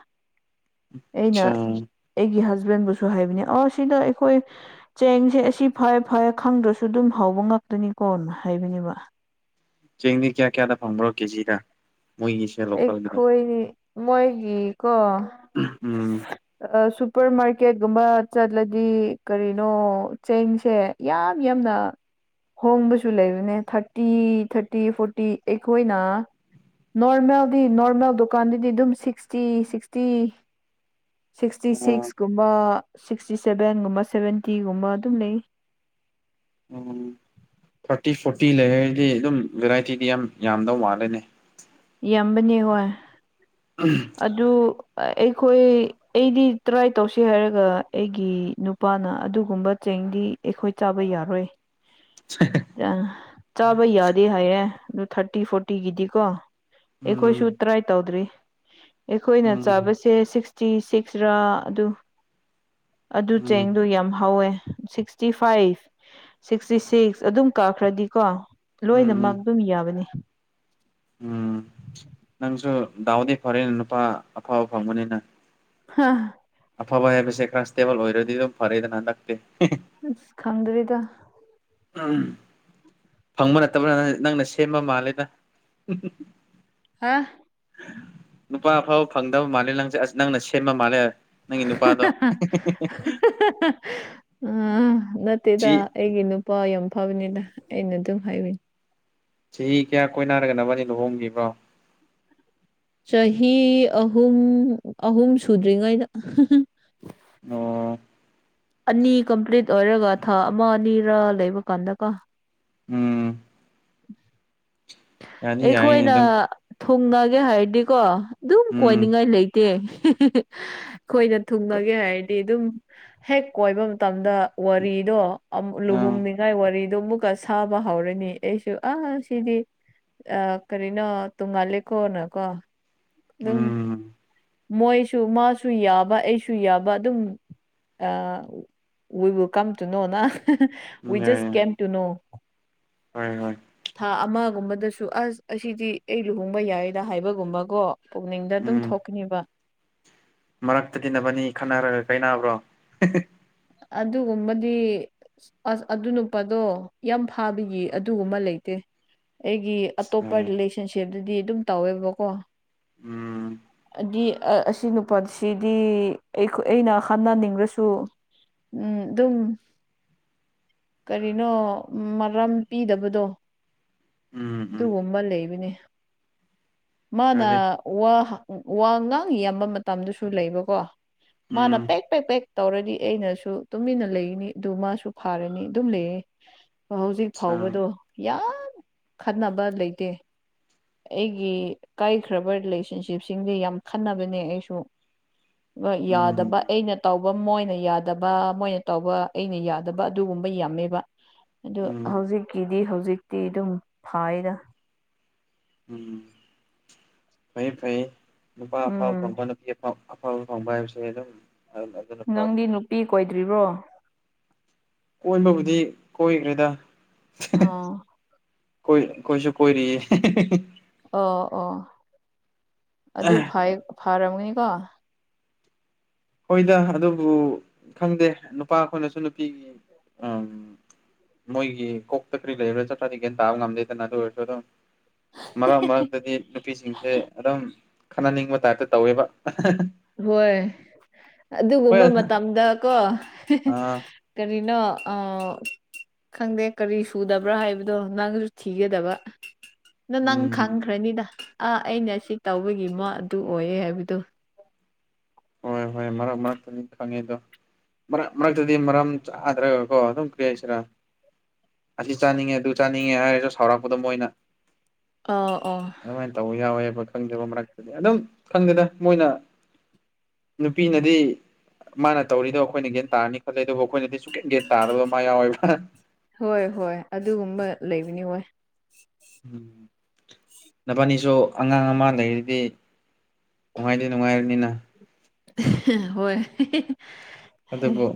ꯑꯩꯅ ꯑꯆꯥ ꯑꯩꯒꯤ ꯍꯁꯕꯦꯟꯕꯨꯁꯨ ꯍꯥꯏꯕꯅꯤ ꯑ ꯁꯤꯗ ꯑꯩꯈꯣꯏ ꯆꯦꯡꯁꯦ ꯑꯁꯤ ꯐꯥꯏꯌꯦ ꯐꯥꯏꯌꯦ ꯈꯪꯗ꯭ꯔꯁꯨ ꯑꯗꯨꯝ ꯍꯥꯎꯕ ꯉꯥꯛꯇꯅꯤꯀꯣꯅ ꯍꯥꯏꯕꯅꯦꯕ ꯆꯦꯡꯗꯤ ꯀꯌꯥ ꯀꯌꯥꯗ ꯐꯪꯕ꯭ꯔꯣ ꯀꯦꯖꯤꯗ ꯃꯣꯏꯒꯤꯁꯤ ꯑꯩꯈꯣꯏ ꯅꯤ ꯃꯣꯏꯒꯤꯀꯣ ꯎꯝ ꯁꯨꯄꯔ ꯃꯥꯔꯀꯦꯠꯒꯨꯝꯕ ꯆꯠꯂꯗꯤ ꯀꯔꯤꯅꯣ ꯆꯦꯡꯁꯦ ꯌꯥꯝ ꯌꯥꯝꯅ ꯍꯣꯡꯕꯁꯨ ꯂꯩꯕꯅꯦ ꯊꯥꯔꯇꯤ ꯊꯥꯔꯇꯤ ꯐꯣꯔꯇꯤ ꯑꯩꯈꯣꯏꯅ ꯅꯣꯔꯃꯦꯜꯗꯤ ꯅꯣꯔꯃꯦꯜ ꯗꯨꯀꯥꯟꯗꯗꯤ ꯑꯗꯨꯝ ꯁꯤꯛꯁꯇꯤ ꯁꯤꯛꯁꯇꯤ ꯁꯤꯛꯁꯇꯤ ꯑꯣ ꯁꯤꯛꯁꯀꯨꯝꯕ ꯁꯤꯛꯁꯇꯤ ꯁꯚꯦꯟꯒꯨꯝꯕ ꯁꯕꯦꯟꯇꯤꯒꯨꯝꯕ ꯑꯗꯨꯝ ꯂꯩ ꯎꯝ ꯊꯥꯔꯇꯤ ꯐꯣꯔꯇꯤ ꯂꯩꯔꯒꯗꯤ ꯑꯗꯨꯝ ꯚꯦꯔꯥꯏꯇꯤꯗꯤ ꯌꯥꯝ ꯌꯥꯝꯗꯧ ꯃꯥꯜꯂꯦꯅꯦ ꯌꯥꯝꯕꯅꯦ ꯍꯣꯏ ꯑꯝ ꯑꯗꯨ ꯑꯩꯈꯣꯏ ꯑꯩꯗꯤ ꯇ꯭ꯔꯥꯏ ꯇꯧꯁꯤ ꯍꯥꯏꯔꯒ ꯑꯩꯒꯤ ꯅꯨꯄꯥꯅ ꯑꯗꯨꯒꯨꯝꯕ ꯆꯦꯡꯗꯤ ꯑꯩꯈꯣꯏ ꯆꯥꯕ ꯌꯥꯔꯣꯏ (unintelligible) ꯌꯥ ꯆꯥꯕ ꯌꯥꯗꯦ ꯍꯥꯏꯌꯦ ꯑꯗꯨ ꯊꯥꯔꯇꯤ ꯐꯣꯔꯇꯤꯒꯤꯗꯤꯀꯣ ꯎꯝ ꯑꯩꯈꯣꯏꯁꯨ ꯇ꯭ꯔꯥꯏ ꯇꯧꯗ꯭ꯔꯤ ꯑꯩꯈꯣꯏꯅ ꯎꯝ ꯆꯥꯕꯁꯦ ꯁꯤꯛꯁꯇꯤ ꯁꯤꯛꯁꯔꯥ ꯑꯗꯨ ꯑꯗꯨ ꯎꯝ ꯆꯦꯡꯗꯣ ꯌꯥꯝ ꯍꯧꯋꯦ ꯁꯤꯛꯁꯇꯤ ꯐꯥꯏꯚ ꯁꯤꯛꯁꯇꯤ ꯁꯤꯛꯁ ꯑꯗꯨꯝ ꯀꯥꯈ꯭ꯔꯗꯤꯀꯣ ꯎꯝ ꯎꯝ ꯂꯣꯏꯅꯃꯛ ꯑꯗꯨꯝ ꯌꯥꯕꯅꯤ ꯎꯝ ꯅꯪꯁꯨ ꯗꯥꯎꯗꯤ ꯐꯔꯦꯅꯦ ꯅꯨꯄꯥ ꯑꯐꯕ ꯐꯪꯕꯅꯤꯅ ꯍꯥ ꯑꯐꯕ ꯍꯥꯏꯕꯁꯦ ꯀꯟꯁꯇꯦꯕꯜ ꯑꯣꯏꯔꯗꯤ ꯑꯗꯨꯝ ꯐꯔꯦꯗꯅ ꯍꯟꯗꯛꯇꯤ (unintelligible) ꯍꯁ ꯈꯪꯗꯔꯤꯗ ꯎꯝ ꯐꯪꯕ ꯅꯠꯇꯕꯔ ꯅꯪꯅ ꯁꯦꯝꯕ ꯃꯥꯜꯂꯦꯗ ꯍꯥꯥ ꯅꯨꯄꯥ ꯑꯐꯕ ꯐꯪꯗꯕ ꯃꯥꯜꯂꯦ ꯅꯪꯁꯦ ꯑꯁ ꯅꯪꯅ ꯁꯦꯝꯕ ꯃꯥꯜꯂꯦ (unintelligible) ꯅꯪꯒꯤ ꯅꯨꯄꯥꯗꯣ ꯑ ꯅꯠꯇꯦꯗ ꯆꯍꯤ ꯑꯩꯒꯤꯅꯨ ꯄ ꯌꯥꯝ ꯐꯕꯅꯤꯗ ꯑꯩꯅ ꯑꯗꯨꯝ ꯍꯥꯏꯕꯤ ꯆꯍꯤ ꯀꯌꯥ ꯀꯣꯏꯅꯅꯥꯔꯒ ꯅꯕꯅꯤ ꯂꯨꯍꯣꯡꯒꯤꯕ꯭ꯔꯣ ꯆꯍꯤ ꯑꯍꯨꯝ ꯑꯍꯨꯝ ꯁꯨꯗ꯭ꯔꯤꯉꯩꯗ (unintelligible) ꯑꯣ ꯑꯅꯤ ꯀꯝꯄ꯭ꯂꯤꯠ ꯑꯣꯏꯔꯒ ꯊꯥ ꯑꯃ ꯑꯅꯤꯔꯥ ꯂꯩꯕ ꯀꯥꯟꯗꯀꯣ ꯎꯝ ꯌꯥꯗꯤ ꯌꯥꯏꯅꯦ ꯑꯩꯈꯣꯏꯅ ꯑꯗꯨꯝ ꯊꯨꯡꯅꯒꯦ ꯍꯥꯏꯔꯗꯤꯀꯣ ꯑꯗꯨꯝ ꯎꯝ ꯀꯣꯏꯅꯤꯡꯉꯥꯏ ꯂꯩꯇꯦ ꯑꯩꯈꯣꯏꯅ ꯊꯨꯡꯅꯒꯦ ꯍꯥꯏꯔꯗꯤ ꯑꯗꯨꯝ ꯍꯦꯛ ꯀꯣꯏꯕ ꯃꯇꯝꯗ ꯋꯥꯔꯤꯗꯣ ꯑꯝ ꯑ ꯂꯨꯍꯨꯡꯅꯤꯡꯉꯥꯏ ꯋꯥꯔꯤꯗꯣ ꯑꯃꯨꯛ ꯀꯟꯁ ꯁꯥꯕ ꯍꯧꯔꯅꯤ ꯑꯩꯁꯨ ꯑꯥ ꯁꯤꯗꯤ ꯑ ꯀꯔꯤꯅꯣ ꯇꯨꯝꯃꯜꯂꯤꯀꯣꯅꯀꯣ ꯑꯗꯨꯝ ꯎꯝ ꯃꯣꯏꯁꯨ ꯃꯥꯁꯨ ꯌꯥꯕ ꯑꯩꯁꯨ ꯌꯥꯕ ꯑꯗꯨꯝ ꯋꯤ ꯋꯤꯜ ꯀꯝ ꯇꯨ ꯅꯣ ꯅ ꯋꯤ ꯖꯁ ꯌꯥꯏ ꯀꯦꯝ ꯇꯨ ꯅꯣ ꯍꯣꯏ ꯍꯣꯏ ꯊꯥ ꯑꯃꯒꯨꯝꯕꯗꯁꯨ ꯑꯁ ꯑꯁꯤꯗꯤ ꯑꯩ ꯂꯨꯍꯣꯡꯕ ꯌꯥꯏꯌꯦꯗ ꯍꯥꯏꯕꯒꯨꯝꯕꯀꯣ ꯄꯨꯛꯅꯤꯡꯗ ꯑꯗꯨꯝ ꯎꯝ ꯊꯣꯛꯀꯅꯤꯕ ꯃꯔꯛꯇꯗꯤ ꯅꯕꯅꯤ ꯈꯠꯅꯔꯒ ꯀꯥꯏꯅꯕ꯭ꯔꯣ ꯑꯗꯨꯒꯨꯝꯕꯗꯤ ꯑꯁ ꯑꯁ ꯑꯗꯨ ꯅꯨꯄꯥꯗꯣ ꯌꯥꯝ ꯐꯥꯕꯒꯤ ꯑꯗꯨꯒꯨꯝꯕ ꯂꯩꯇꯦ ꯑꯩꯒꯤ ꯑꯇꯣꯞꯄ ꯎꯝ ꯔꯤꯂꯦꯁꯟꯁꯤꯞꯇꯗꯤ ꯑꯗꯨꯝ ꯇꯧꯋꯦꯕꯀꯣ ꯎꯝ ꯑꯗꯤ ꯑ ꯑꯁꯤ ꯅꯨꯄꯥꯁꯤꯗꯤ ꯑꯩꯈꯣꯏ ꯑꯩꯅ ꯈꯅꯅꯤꯡꯔꯁꯨ ꯎꯝ ꯑꯗꯨꯝ ꯀꯔꯤꯅꯣ ꯎꯝ ꯃꯔꯝ ꯄꯤꯗꯕꯗꯣ ꯎꯝ ꯑꯗꯨꯒꯨꯝꯕ ꯂꯩꯕꯅꯦ ꯃꯥꯅ ꯑꯗꯨꯗꯤ ꯋꯥ ꯍꯡ ꯋꯥ ꯉꯥꯡ ꯌꯥꯝꯕ ꯃꯇꯝꯗꯁꯨ ꯂꯩꯕꯀꯣ ꯃꯥꯅ ꯎꯝ ꯄꯦꯛ ꯄꯦꯛ ꯄꯦꯛ ꯇꯧꯔꯗꯤ ꯑꯩꯅꯁꯨ ꯇꯨꯃꯤꯟꯅ ꯂꯩꯉꯅꯤ ꯑꯗꯨ ꯃꯥꯁꯨ ꯐꯥꯔꯅꯤ ꯑꯗꯨꯝ ꯂꯩꯌꯦ ꯍꯧꯖꯤꯛ ꯑꯆꯥ ꯐꯥꯎꯕꯗꯣ ꯌꯥꯝ ꯈꯟꯅꯕ ꯂꯩꯇꯦ ꯑꯩꯒꯤ ꯀꯥꯏꯈ꯭ꯔꯕ ꯔꯤꯂꯦꯁꯟꯁꯤꯞ ꯆꯤꯞꯁꯤꯡꯗꯤ ꯌꯥꯝ ꯈꯟꯅꯕꯅꯦ ꯑꯩꯁꯨ ꯗꯣ ꯌꯥꯗꯕ ꯎꯝ ꯑꯩꯅ ꯇꯧꯕ ꯃꯣꯏꯅ ꯌꯥꯗꯕ ꯃꯣꯏꯅ ꯇꯧꯕ ꯑꯩꯅ ꯌꯥꯗꯕ ꯑꯗꯨꯒꯨꯝꯕ ꯌꯥꯝꯃꯦꯕ ꯑꯗꯣ ꯎꯝ ꯍꯧꯖꯤꯛꯀꯤꯗꯤ ꯍꯧꯖꯤꯛꯇꯤ ꯑꯗꯨꯝ ꯐꯥꯏꯌꯦꯗ ꯎꯝ ꯐꯩꯌꯦ ꯐꯩꯌꯦ ꯅꯨꯄꯥ ꯑꯐꯥꯕ ꯎꯝ ꯐꯪꯕ ꯅꯨꯄꯤ ꯑꯐ ꯑꯧ ꯑꯐꯕ ꯐꯪꯕ ꯍꯥꯏꯕꯤꯁꯦ ꯑꯗꯨꯝ ꯑ ꯅꯪꯗꯤ ꯅꯨꯄꯤ ꯀꯣꯏꯗ꯭ꯔꯤꯕ꯭ꯔꯣ ꯀꯣꯏꯕꯕꯨꯗꯤ ꯀꯣꯏꯒ꯭ꯔꯦꯗ ꯑꯣ ꯈꯣꯏ ꯈꯣꯏꯁꯨ ꯀꯣꯏꯔꯤꯌꯦ ꯑꯣ ꯑꯣ ꯑꯗꯨ ꯐꯩ ꯐꯔꯝꯒꯅꯤꯀꯣ ꯍꯣꯏꯗ ꯑꯗꯨꯕꯨ ꯈꯪꯗꯦ ꯅꯨꯄꯥ ꯈꯣꯏꯅꯁꯨ ꯅꯨꯄꯤꯒꯤ ꯑꯝ ꯃꯣꯏꯒꯤ ꯀꯣꯛꯇ ꯀꯔꯤ ꯂꯩꯕ꯭ꯔꯥ ꯆꯞꯆꯥꯗꯤ ꯒꯌꯥꯟ ꯇꯥꯕ ꯉꯝꯗꯦꯗꯅ ꯑꯗꯨ ꯑꯣꯏꯔꯁꯨ ꯑꯗꯨꯝ ꯃꯔꯛ ꯃꯔꯛꯇꯗꯤ ꯅꯨꯄꯤꯁꯤꯡꯁꯦ ꯑꯗꯨꯝ ꯈꯟꯅꯅꯤꯡꯕ ꯇꯥꯏꯞꯇ ꯇꯧꯋꯦꯕ ꯍꯣꯏ ꯍꯣꯏ ꯑꯗꯨꯒꯨꯝꯕ ꯃꯇꯝꯗꯀꯣ ꯑ ꯀꯔꯤꯅꯣ ꯑ ꯈꯪꯗꯦ ꯀꯔꯤ ꯁꯨꯗꯕ꯭ꯔꯥ ꯍꯥꯏꯕꯗꯣ ꯅꯪꯖꯨ ꯊꯤꯒꯗꯕ ꯅ ꯅꯪ ꯎꯝ ꯈꯪꯈ꯭ꯔꯅꯤꯗ ꯑꯥ ꯑꯩꯅ ꯁꯤ ꯇꯧꯕꯒꯤ ꯃ ꯑꯗꯨ ꯑꯣꯏꯌꯦ ꯍꯥꯏꯕꯗꯣ ꯍꯣꯏ ꯍꯣꯏ ꯃꯔꯛ ꯃꯔꯛꯇꯅꯤ ꯈꯪꯉꯤꯗꯣ ꯃꯔꯛ ꯃꯔꯛꯇꯗꯤ ꯃꯔꯝ ꯆꯥꯗ꯭ꯔꯒꯀꯣ ꯑꯗꯨꯝ ꯀ꯭ꯔꯤ ꯍꯥꯏꯁꯤꯔꯥ ꯑꯁꯤ ꯆꯥꯅꯤꯡꯉꯦ ꯑꯗꯨ ꯆꯥꯅꯤꯡꯉꯦ ꯍꯥꯏꯔꯒ ꯁꯥꯎꯔꯛꯄꯗꯣ ꯃꯣꯏꯅ ꯑꯥ ꯑꯣ ꯑꯗꯨꯃꯥꯏꯟ ꯇꯧꯕ ꯌꯥꯎꯋꯦꯕ ꯈꯪꯗꯕ ꯃꯔꯛꯇꯗꯤ ꯑꯗꯨꯝ ꯈꯪꯗꯦꯗ ꯃꯣꯏꯅ ꯅꯨꯄꯤꯅꯗꯤ ꯃꯥꯅ ꯇꯧꯔꯤꯗꯣ ꯑꯈꯣꯏꯅ ꯒꯦꯟ ꯇꯥꯔꯅꯤ ꯈꯣꯠꯂꯦ ꯑꯗꯨꯕꯨ ꯑꯈꯣꯏꯅꯗꯤ ꯁꯨꯡꯀꯦꯟ ꯒꯦꯟ ꯇꯥꯗꯕ ꯃꯥ ꯌꯥꯎꯋꯦꯕ ꯍꯣꯏ ꯍꯣꯏ ꯑꯗꯨꯒꯨꯝꯕ ꯂꯩꯕꯅꯤ ꯋꯣꯏ ꯎꯝ ꯅꯕꯅꯤꯁꯨ ꯑꯉꯥꯡ ꯑꯃ ꯂꯩꯔꯗꯤ ꯅꯨꯡꯉꯥꯏꯗꯤ ꯅꯨꯡꯉꯥꯏꯔꯅꯤꯅ ꯍꯣꯏ ꯑꯗꯨꯕꯨ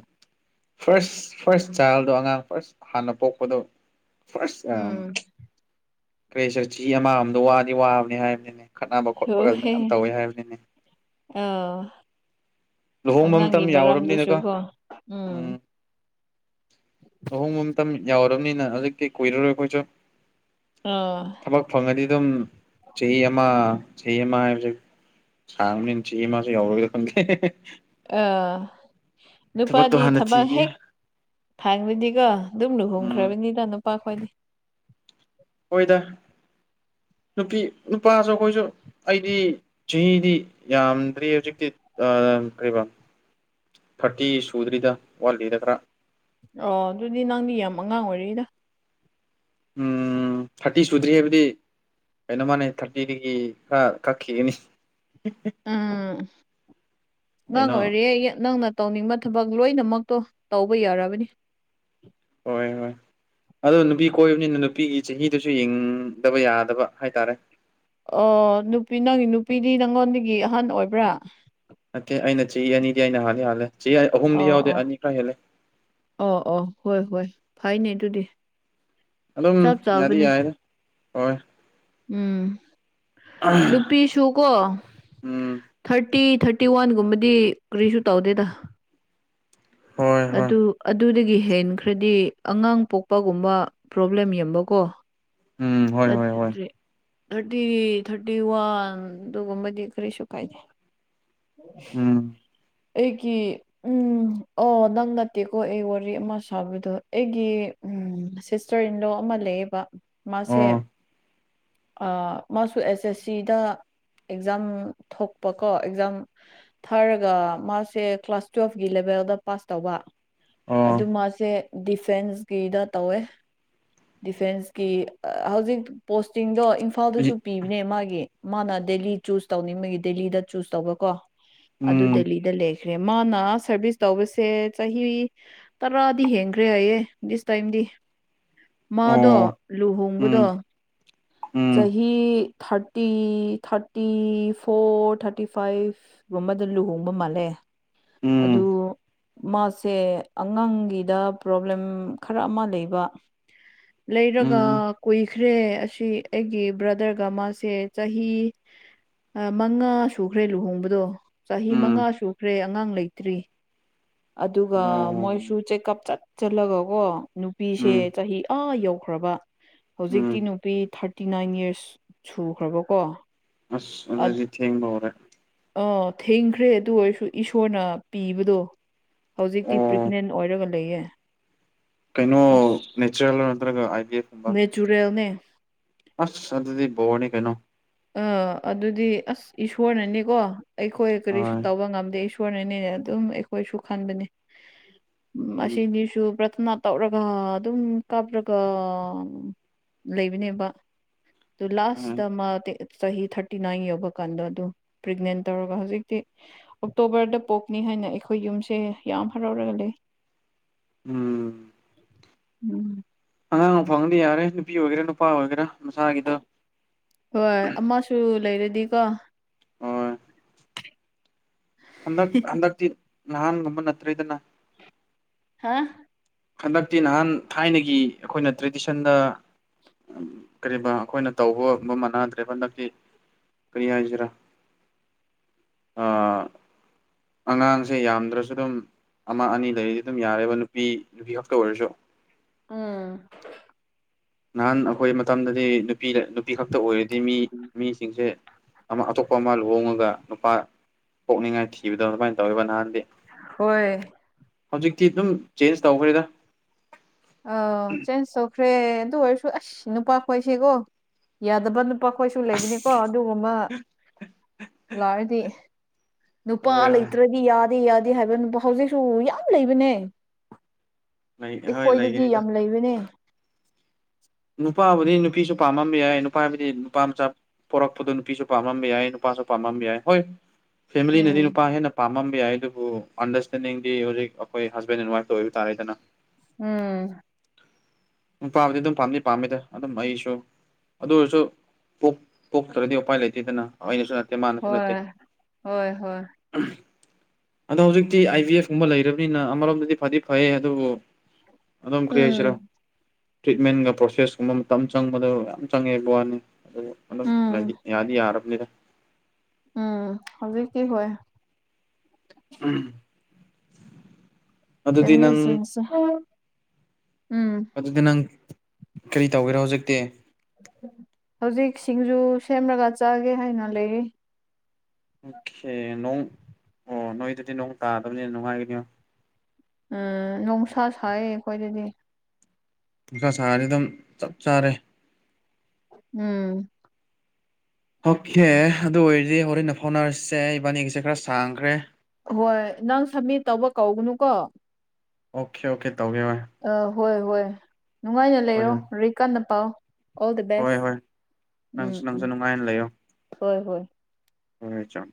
ꯐꯥꯔꯁ ꯐꯥꯔꯁ ꯆꯥꯏꯜꯗꯣ ꯑꯉꯥꯡ ꯐꯥꯔꯁ ꯍꯥꯟꯅ ꯄꯣꯛꯄꯗꯣ ꯐꯥꯔꯁ ꯑꯦꯝ ꯎꯝ ꯀꯔꯤ ꯁꯛ ꯊꯤ ꯑꯃꯝꯗꯣ ꯋꯥꯗꯤ ꯋꯥꯕꯅꯤ ꯍꯥꯏꯕꯅꯤꯅꯦ ꯈꯠꯅꯕ ꯈꯣꯠꯄꯒ ꯍꯣꯏ ꯃꯌꯥꯝ ꯇꯧꯋꯤ ꯍꯥꯏꯕꯅꯤꯅꯦ ꯑꯥ ꯂꯨꯍꯣꯡꯕ ꯃꯇꯝ ꯑꯉꯥꯡꯒꯤ ꯌꯥꯎꯔꯕꯅꯤꯅꯀꯣ ꯃꯔꯝꯗꯁꯨꯀꯣ ꯎꯝ ꯂꯨꯍꯣꯡꯕꯝꯇ ꯌꯥꯎꯔꯕꯅꯤꯅ ꯍꯧꯖꯤꯛꯇꯤ ꯀꯨꯏꯔꯔꯣꯏ ꯑꯩꯈꯣꯏꯁꯨ ꯑꯥ ꯊꯕꯛ ꯐꯪꯉꯗꯤ ꯑꯗꯨꯝ ꯆꯍꯤ ꯑꯃ ꯆꯍꯤ ꯑꯃ ꯍꯥꯏꯕꯁꯦ ꯁꯥꯡꯅꯤ ꯆꯤ ꯃꯥꯁ ꯌꯎꯔ ꯑꯣꯏꯦ ꯑ ꯅꯨꯄꯥꯗꯤ ꯍꯥꯟꯅ ꯊꯕꯛ ꯊꯤꯈꯤ ꯍꯦꯛ ꯊꯥꯡꯕꯗꯤꯀꯣ ꯑꯗꯨꯝ ꯎꯝ ꯂꯨꯍꯣꯡꯈ꯭ꯔꯕꯅꯤꯅ ꯅꯨꯄꯥ ꯈꯈꯣꯏꯗꯤ ꯑꯣꯏꯗ ꯅꯨꯄꯤ ꯅꯨꯄꯥꯁꯨ ꯑꯩꯈꯣꯏꯁꯨ ꯑꯩꯗꯤ ꯆꯍꯤꯗꯤ ꯌꯥꯝꯗ꯭ꯔꯤ ꯍꯧꯖꯤꯛꯇꯤ ꯌꯥꯝ ꯀꯔꯤꯕ ꯊꯥꯔꯇꯤ ꯁꯨꯗ꯭ꯔꯤꯗ ꯋꯥꯠꯂꯤꯗ ꯈꯔ ꯑꯣ ꯑꯗꯨꯗꯤ ꯅꯪꯗꯤ ꯌꯥꯝ ꯑꯉꯥꯡ ꯑꯣꯏꯔꯤꯗ ꯎꯝ ꯊꯥꯔꯇꯤ ꯁꯨꯗ꯭ꯔꯤ ꯍꯥꯏꯕꯗꯤ ꯀꯩꯅꯣ ꯃꯥꯅꯦ ꯊꯥꯔꯇꯤꯗꯒꯤ ꯈꯔ ꯀꯛꯈꯤꯒꯅꯤ ꯎꯝ ꯑꯉꯥꯡ ꯀꯩꯅꯣ ꯑꯣꯏꯔꯦ ꯑꯩ ꯅꯪꯅ ꯇꯧꯅꯤꯡꯕ ꯊꯕꯛ ꯂꯣꯏꯅꯃꯛꯇꯣ ꯇꯧꯕ ꯌꯥꯔꯕꯅꯤ ꯍꯣꯏ ꯍꯣꯏ ꯑꯗꯣ ꯅꯨꯄꯤ ꯀꯣꯏꯕꯅꯤꯅ ꯅꯨꯄꯤꯒꯤ ꯆꯍꯤꯗꯨꯁꯨ ꯌꯦꯡꯗꯕ ꯌꯥꯗꯕ ꯍꯥꯏꯇꯥꯔꯦ ꯑꯣ ꯅꯨꯄꯤ ꯅꯪ ꯅꯨꯄꯤꯗꯤ ꯅꯪꯉꯣꯟꯗꯒꯤ ꯑꯍꯟ ꯑꯣꯏꯕ꯭ꯔꯥ ꯅꯠꯇꯦ ꯑꯩꯅ ꯆꯍꯤ ꯑꯅꯤꯗꯤ ꯑꯩꯅ ꯍꯥꯜꯂ ꯍꯥꯜꯂꯦ ꯆ ꯑꯣ ꯑꯍꯨꯝꯗꯤ ꯌꯥꯎꯗꯦ ꯑꯣ ꯑꯅꯤ ꯈꯔ ꯍꯦꯜꯂꯦ ꯑꯣ ꯑꯣ ꯍꯣꯏ ꯍꯣꯏ ꯐꯥꯏꯅꯦ ꯑꯗꯨꯗꯤ ꯑꯗꯨꯝ ꯆꯞ ꯌꯥꯗꯤ ꯆꯥꯕꯅꯦ ꯌꯥꯏꯗ ꯍꯣꯏ ꯎꯝ ꯅꯨꯗꯨꯄꯤ ꯁꯨ ꯀꯣ ꯎꯝ ꯊꯥꯔꯇꯤ ꯊꯥꯔꯇꯤ ꯋꯥꯟꯒꯨꯝꯕꯗꯤ ꯀꯔꯤꯁꯨ ꯇꯧꯗꯦꯗ ꯍꯣꯏ ꯍꯣꯏ ꯑꯗꯨ ꯑꯗꯨꯗꯒꯤ ꯍꯦꯟꯈ꯭ꯔꯗꯤ ꯑꯉꯥꯡ ꯄꯣꯛꯄꯒꯨꯝꯕ ꯄ꯭ꯔꯣꯕ꯭ꯂꯦꯝ ꯌꯕꯀꯣ ꯎꯝ ꯍꯣꯏ ꯍꯣꯏ ꯍꯣꯏ ꯊꯔꯇꯤ ꯊꯔꯇꯤ ꯋꯥꯟ ꯇꯗꯨꯒꯝꯕꯗꯤ ꯀꯔꯤ ꯁꯀꯥꯏ ꯎꯝ ꯎꯝ ꯑꯩꯒꯤ ꯎꯝ ꯑꯣ ꯅꯪ ꯅꯠꯇꯦꯀꯣ ꯑꯩ ꯋꯥꯔꯤ ꯑꯃ ꯁꯥꯕꯤꯗꯣ ꯑꯩꯒꯤ ꯎꯝ ꯁꯤꯁꯇꯔ ꯏꯟꯂꯣ ꯑꯃ ꯂꯩꯑꯦꯕ ꯃꯥꯁꯦ ꯑꯣ ꯃꯥꯁꯨ ꯑꯦꯁ ꯑꯦꯁ ꯁꯤꯗ ꯑꯦꯛꯖꯥꯝ ꯊꯣꯛꯄꯀꯣ ꯑꯦꯛꯖꯥꯝ ꯊꯥꯔꯒ ꯃꯥꯁꯦ ꯀ꯭ꯂꯥꯁ ꯇꯨꯋꯦꯜꯐꯀꯤ ꯂꯦꯚꯦꯜꯗ ꯄꯥꯁ ꯇꯧꯕ ꯑꯣ ꯑꯗꯨ ꯃꯥꯁꯦ ꯗꯤꯐꯦꯟꯁꯀꯤꯗ ꯇꯧꯋꯦ ꯗꯤꯐꯦꯟꯁꯀꯤ ꯍꯧꯖꯤꯛ ꯄꯣꯁꯇꯤꯡꯗꯣ ꯏꯝꯐꯥꯜꯗꯁꯨ ꯄꯤꯕꯅꯦ ꯃꯥꯒꯤ ꯃꯥꯅ ꯗꯦꯂꯤ ꯆꯨꯁ ꯇꯧꯅꯤꯡ ꯃꯒꯤ ꯗꯦꯂꯤꯗ ꯆꯨꯁ ꯇꯧꯕ ꯀꯣ ꯑꯗꯨ ꯎꯝ ꯗꯦꯜꯂꯤꯗ ꯂꯩꯈ꯭ꯔꯦ ꯃꯥꯅ ꯁꯔꯚꯤꯁ ꯇꯧꯕꯁꯦ ꯆꯍꯤ ꯇꯔꯗꯤ ꯍꯦꯡꯈ꯭ꯔꯦ ꯍꯥꯏꯌꯦ ꯗꯤꯁ ꯇꯥꯏꯝꯗꯤ ꯃꯥꯗꯣ ꯑꯣ ꯎꯝ ꯂꯨꯍꯣꯡꯕꯗꯣ ꯎꯝ ꯆꯍꯤ thirty thirty four thirty five ꯁꯤꯨꯝꯕꯗ ꯂꯨꯍꯣꯡꯕ ꯃꯥꯜꯂꯦ ꯑꯗꯨ ꯃꯥꯁꯦ ꯑꯉꯥꯡꯒꯤꯗ ꯄ꯭ꯔꯣꯕ꯭ꯂꯦꯝ ꯈꯔ ꯑꯃ ꯂꯩꯕ ꯂꯩꯔꯒ ꯎꯝ ꯎꯝ ꯀꯨꯏꯈ꯭ꯔꯦ ꯑꯁꯤ ꯑꯩꯒꯤ ꯕ꯭ꯔꯗꯔꯒ ꯃꯥꯁꯦ ꯆꯍꯤ ꯃꯉꯥ ꯁꯨꯈ꯭ꯔꯦ ꯂꯨꯍꯣꯡꯕꯗꯣ ꯆꯍꯤ ꯎꯝ ꯃꯉꯥ ꯁꯨꯈ꯭ꯔꯦ ꯑꯉꯥꯡ ꯂꯩꯇ꯭ꯔꯤ ꯑꯗꯨꯒ ꯑꯣ ꯃꯣꯏꯁꯨ ꯆꯦꯛꯀꯞ ꯆꯠꯁꯤꯜꯂꯒ ꯀꯣ ꯅꯨꯄꯤꯁꯦ ꯎꯝ ꯆꯍꯤ ꯑꯥ ꯌꯧꯈ꯭ꯔꯕ ꯎꯝ ꯍꯧꯖꯤꯛꯇꯤ ꯅꯨꯄꯤ ꯊꯥꯔꯇꯤ ꯅꯥꯏꯟ ꯌꯔꯁ ꯁꯨꯈ꯭ꯔꯕꯀꯣ ꯑꯁ ꯑꯗꯨꯗꯤ ꯊꯦꯡꯕ ꯍꯧꯔꯦ ꯑ ꯊꯦꯡꯈ꯭ꯔꯦ ꯑꯗꯨ ꯑꯣꯏꯔꯁꯨ ꯏꯁꯣꯔꯅ ꯄꯤꯕꯗꯣ ꯍꯧꯖꯤꯛꯇꯤ ꯑꯣ ꯄ꯭ꯔꯦꯒꯅꯦꯟ ꯑꯣꯏꯔꯒ ꯂꯩꯌꯦ ꯀꯩꯅꯣ ꯑꯁ ꯅꯦꯆꯔꯦꯜ ꯅꯠꯇ꯭ꯔꯒ ꯑꯥꯏꯗꯤ ꯑꯦ ꯀꯨꯝꯕ ꯖꯨꯔꯦꯜꯅꯦ ꯑꯁ ꯑꯗꯨꯗꯤ ꯕꯣꯔꯅꯤ ꯀꯩꯅꯣ ꯑꯥ ꯑꯗꯨꯗꯤ ꯑꯁ ꯏꯁꯣꯔꯅꯅꯤꯀꯣ ꯑꯩꯈꯣꯏ ꯀꯔꯤꯁꯨ ꯍꯣꯏ ꯇꯧꯕ ꯉꯝꯗꯦ ꯁꯣꯔꯅꯅꯤꯅꯦ ꯑꯗꯨꯝ ꯑꯩꯈꯣꯏꯁꯨ ꯈꯟꯕꯅꯤ ꯎꯝ ꯑꯁꯤꯅꯤꯁꯨ ꯄ꯭ꯔꯊꯅꯥ ꯇꯧꯔꯒ ꯑꯗꯨꯝ ꯀꯥꯞꯔꯒ ꯂꯩꯕꯅꯦꯕ ꯑꯗꯨ ꯂꯥꯁ ꯎꯝ ꯇ ꯃꯥꯦ ꯆꯍꯤ ꯊꯥꯔꯇꯤ ꯅꯥꯏꯟ ꯌꯧꯕ ꯀꯥꯟꯗ ꯑꯗꯨ ꯄ꯭ꯔꯦꯒꯅꯦꯟ ꯇꯧꯔꯒ ꯍꯧꯖꯤꯛꯇꯤ ꯑꯣꯛꯇꯣꯕꯔꯗ ꯄꯣꯛꯅꯤ ꯍꯥꯏꯅ ꯑꯩꯈꯣꯏ ꯌꯨꯝꯁꯦ ꯌꯥꯝ ꯍꯔꯥꯎꯔꯒ ꯂꯩ ꯎꯝ ꯎꯝ ꯑꯉꯥꯡ ꯐꯪꯗꯤ ꯌꯥꯔꯦ ꯅꯨꯄꯤ ꯑꯣꯏꯒꯦꯔꯥ ꯅꯨꯄꯥ ꯑꯣꯏꯒꯦꯔꯥ ꯃꯁꯥꯒꯤꯗ ꯍꯣꯏ ꯑꯃꯁꯨ ꯂꯩꯔꯗꯤꯀꯣ ꯍꯣꯏ ꯍꯟꯗꯛ ꯍꯟꯗꯛꯇꯤ ꯅꯍꯥꯟꯒꯨꯝꯕ ꯅꯠꯇ꯭ꯔꯦꯗꯅ ꯍꯥꯥ ꯍꯟꯗꯛꯇꯤ ꯅꯍꯥꯟ ꯊꯥꯏꯅꯒꯤ ꯑꯩꯈꯣꯏꯅ ꯇ꯭ꯔꯦꯗꯤꯁꯟꯗ ꯀꯔꯤꯒꯨꯝ ꯑꯩꯈꯣꯏꯅ ꯇꯧꯕꯒꯨꯝ ꯃꯥꯟꯅꯗ꯭ꯔꯦ ꯍꯟꯗꯛꯇꯤ ꯀꯔꯤꯌꯥꯆꯔ ꯑ ꯑꯉꯥꯡꯁꯦ ꯌꯥꯝꯗ꯭ꯔꯁꯨ ꯑꯗꯨꯝ ꯑꯃ ꯑꯅꯤ ꯂꯩꯔꯤꯗꯤ ꯑꯗꯨꯝ ꯌꯥꯔꯦꯕ ꯅꯨꯄꯤ ꯅꯨꯄꯤ ꯈꯛꯇ ꯑꯣꯏꯔꯁꯨ ꯎꯝ ꯅꯍꯥꯟ ꯑꯩꯈꯣꯏ ꯃꯇꯝꯗꯗꯤ ꯅꯨꯄꯤ ꯅꯨꯄꯤ ꯈꯛꯇ ꯑꯣꯏꯔꯗꯤ ꯃꯤ ꯃꯤ ꯁꯤꯡꯁꯦ ꯑꯃ ꯑꯇꯣꯞꯄ ꯑꯃ ꯂꯨꯍꯣꯡꯉꯒ ꯅꯨꯨꯄꯥ ꯄꯣꯛꯅꯤꯡꯉꯥꯏ ꯊꯤꯕꯗ ꯑꯗꯨꯃꯥꯏꯅ ꯇꯧꯔꯤꯕ ꯅꯍꯥꯟꯗꯤ ꯍꯣꯏ ꯍꯧꯖꯤꯛꯇꯤ ꯑꯗꯨꯝ ꯆꯦꯟꯖ ꯇꯧꯈ꯭ꯔꯦꯗ ꯑ ꯆꯦꯟꯖ ꯇꯧꯈ꯭ꯔꯦ ꯑꯗꯨ ꯑꯣꯏꯔꯁꯨ ꯑꯁ ꯅꯨꯄꯥ ꯈꯣꯏꯁꯤꯦꯀꯣ ꯌꯥꯗꯕ ꯅꯨꯄꯥꯈꯣꯏꯁꯨ ꯂꯩꯕꯅꯤꯀꯣ ꯑꯁ ꯑꯗꯨꯒꯨꯝꯕ ꯂꯥꯛꯑꯗꯤ ꯍꯣꯏ ꯅꯨꯄꯥ ꯍꯣꯏ ꯂꯩꯇ꯭ꯔꯗꯤ ꯌꯥꯗꯦ ꯌꯥꯗꯦ ꯍꯥꯏꯕ ꯅꯨꯄꯥ ꯍꯧꯖꯤꯛꯁꯨ ꯌꯥꯝ ꯂꯩꯕꯅꯦ ꯂꯩ ꯍꯣꯏ ꯑꯩꯈꯣꯏꯗꯗꯤ ꯂꯩꯒꯅꯤꯗ ꯌꯥꯝ ꯂꯩꯕꯅꯦ ꯅꯨꯄꯥꯕꯨꯗꯤ ꯅꯨꯄꯤꯁꯨ ꯄꯥꯝꯃꯝꯕ ꯌꯥꯏ ꯅꯨꯄꯥꯕꯨꯗꯤ ꯅꯨꯄꯥ ꯃꯆꯥ ꯄꯣꯔꯛꯄꯗꯨ ꯅꯨꯄꯤꯁꯨ ꯄꯥꯝꯃꯝꯕ ꯌꯥꯏ ꯅꯨꯄꯥꯁꯨ ꯄꯥꯝꯃꯝꯕ ꯌꯥꯏ ꯍꯣꯏ ꯐꯦꯃꯤꯂꯤꯅꯗꯤ ꯎꯝ ꯅꯨꯄꯥ ꯍꯦꯟꯅ ꯄꯥꯝꯃꯝꯕ ꯌꯥꯏ ꯑꯗꯨꯕꯨ ꯑꯟꯗꯔꯁꯇꯦꯟꯗꯤꯡꯗꯤ ꯍꯧꯖꯤꯛ ꯑꯩꯈꯣꯏ ꯍꯁꯕꯦꯟ ꯑꯦꯟ ꯋꯥꯏꯐꯇ ꯑꯣꯏꯕ ꯇꯥꯔꯦꯗꯅ ꯎꯝ ꯎꯥꯝ ꯑꯗꯨꯝ ꯄꯥꯝꯃꯤꯗ ꯑꯗꯨꯝ ꯑꯩꯁꯨ ꯑꯗꯨ ꯑꯣꯏꯔꯁꯨ ꯄꯣꯛꯇ꯭ꯔꯗꯤ ꯎꯄꯥꯏ ꯂꯩꯇꯦꯗꯅ ꯑꯩꯅꯁꯨ ꯅꯠꯇꯦ ꯃꯥꯅꯁꯨ ꯅꯠꯇꯦ ꯍꯣꯏ ꯍꯣꯏ ꯍꯣꯏ ꯑꯗꯣ ꯍꯧꯖꯤꯛꯇꯤ ꯑꯥꯏ ꯕꯤ ꯑꯦꯐ ꯀꯨꯝꯕ ꯂꯩꯔꯕꯅꯤꯅ ꯑꯃꯔꯣꯝꯗꯗꯤ ꯐꯗꯤ ꯐꯩ ꯑꯗꯨꯕꯨ ꯑꯗꯨꯝ ꯀꯔꯤ ꯎꯝ ꯍꯥꯏꯁꯤꯔꯣ ꯇ꯭ꯔꯤꯠꯃꯦꯟꯒ ꯄ꯭ꯔꯣꯁꯦꯁꯀꯨꯝꯕ ꯃꯇꯝ ꯆꯪꯕꯗꯣ ꯌꯥꯝ ꯆꯪꯉꯦꯕ ꯋꯥꯅꯤ ꯎꯝ ꯝꯗꯤ ꯌꯥꯗ ꯌꯥꯔꯝꯂꯗ ꯎꯝ ꯍꯧꯖꯤꯛ ꯀ ꯍ ꯎꯝ ꯐꯦꯁ ꯎꯝ ꯍꯧꯖꯤꯛꯇ ꯅꯪ ꯀꯔꯤ ꯇꯧꯒꯦꯔꯣ ꯍꯧꯖꯤꯛꯇꯤ ꯍꯧꯖꯤꯛ ꯁꯤꯡꯖꯨ ꯁꯦꯝꯂꯒ ꯆꯥꯒꯦ ꯍꯥꯏꯅ ꯂꯩꯔꯤ ꯑꯣꯀꯦ ꯅꯣꯡ ꯑꯣ ꯅꯣꯏꯗꯨꯗꯤ ꯅꯣꯡ ꯇꯥꯗꯕꯅꯤꯅ ꯅꯨꯡꯉꯥꯏꯒꯅꯤ ꯎ ꯅꯨꯡꯁꯥ ꯁꯥꯏ ꯑꯩꯈꯣꯏꯗꯗꯤ ꯁꯥ ꯁꯥꯔꯗꯤ ꯑꯗꯨꯝ ꯆꯞ ꯆꯥꯔꯦ ꯎꯝ ꯑꯣꯀꯦ ꯑꯗꯨ ꯑꯣꯏꯔꯗꯤ ꯍꯣꯔꯦꯟꯟꯅ ꯐꯥꯎꯅꯔꯁꯦ ꯏꯕꯥꯅꯤꯒꯤꯁꯦ ꯈꯔ ꯁꯥꯡꯈ꯭ꯔꯦ ꯍꯣꯏ ꯅꯪ ꯁꯕꯃꯤꯠ ꯇꯧꯕ ꯀꯧꯒꯅꯨꯀꯣ ꯑꯣꯀꯦ ꯑꯣꯀꯦ ꯇꯧꯒꯦ ꯍꯣꯏ ꯑ ꯍꯣꯏ ꯍꯣꯏ ꯅꯨꯡꯉꯥꯏꯅ ꯍꯣꯏ ꯂꯩꯔꯣ ꯍꯣꯏ ꯔꯤ ꯀꯥꯟꯗ ꯄꯥꯎ ꯑꯣꯜ ꯗ ꯍꯣꯏ ꯕꯁ ꯍꯣꯏ ꯎꯝ ꯅꯪꯁꯨ ꯎꯝ ꯅꯪꯁꯨ ꯅꯨꯡꯉꯥꯏꯅ ꯂꯩꯌꯣ ꯍꯣꯏ ꯍꯣꯏ ꯍꯣꯏ ꯆꯝ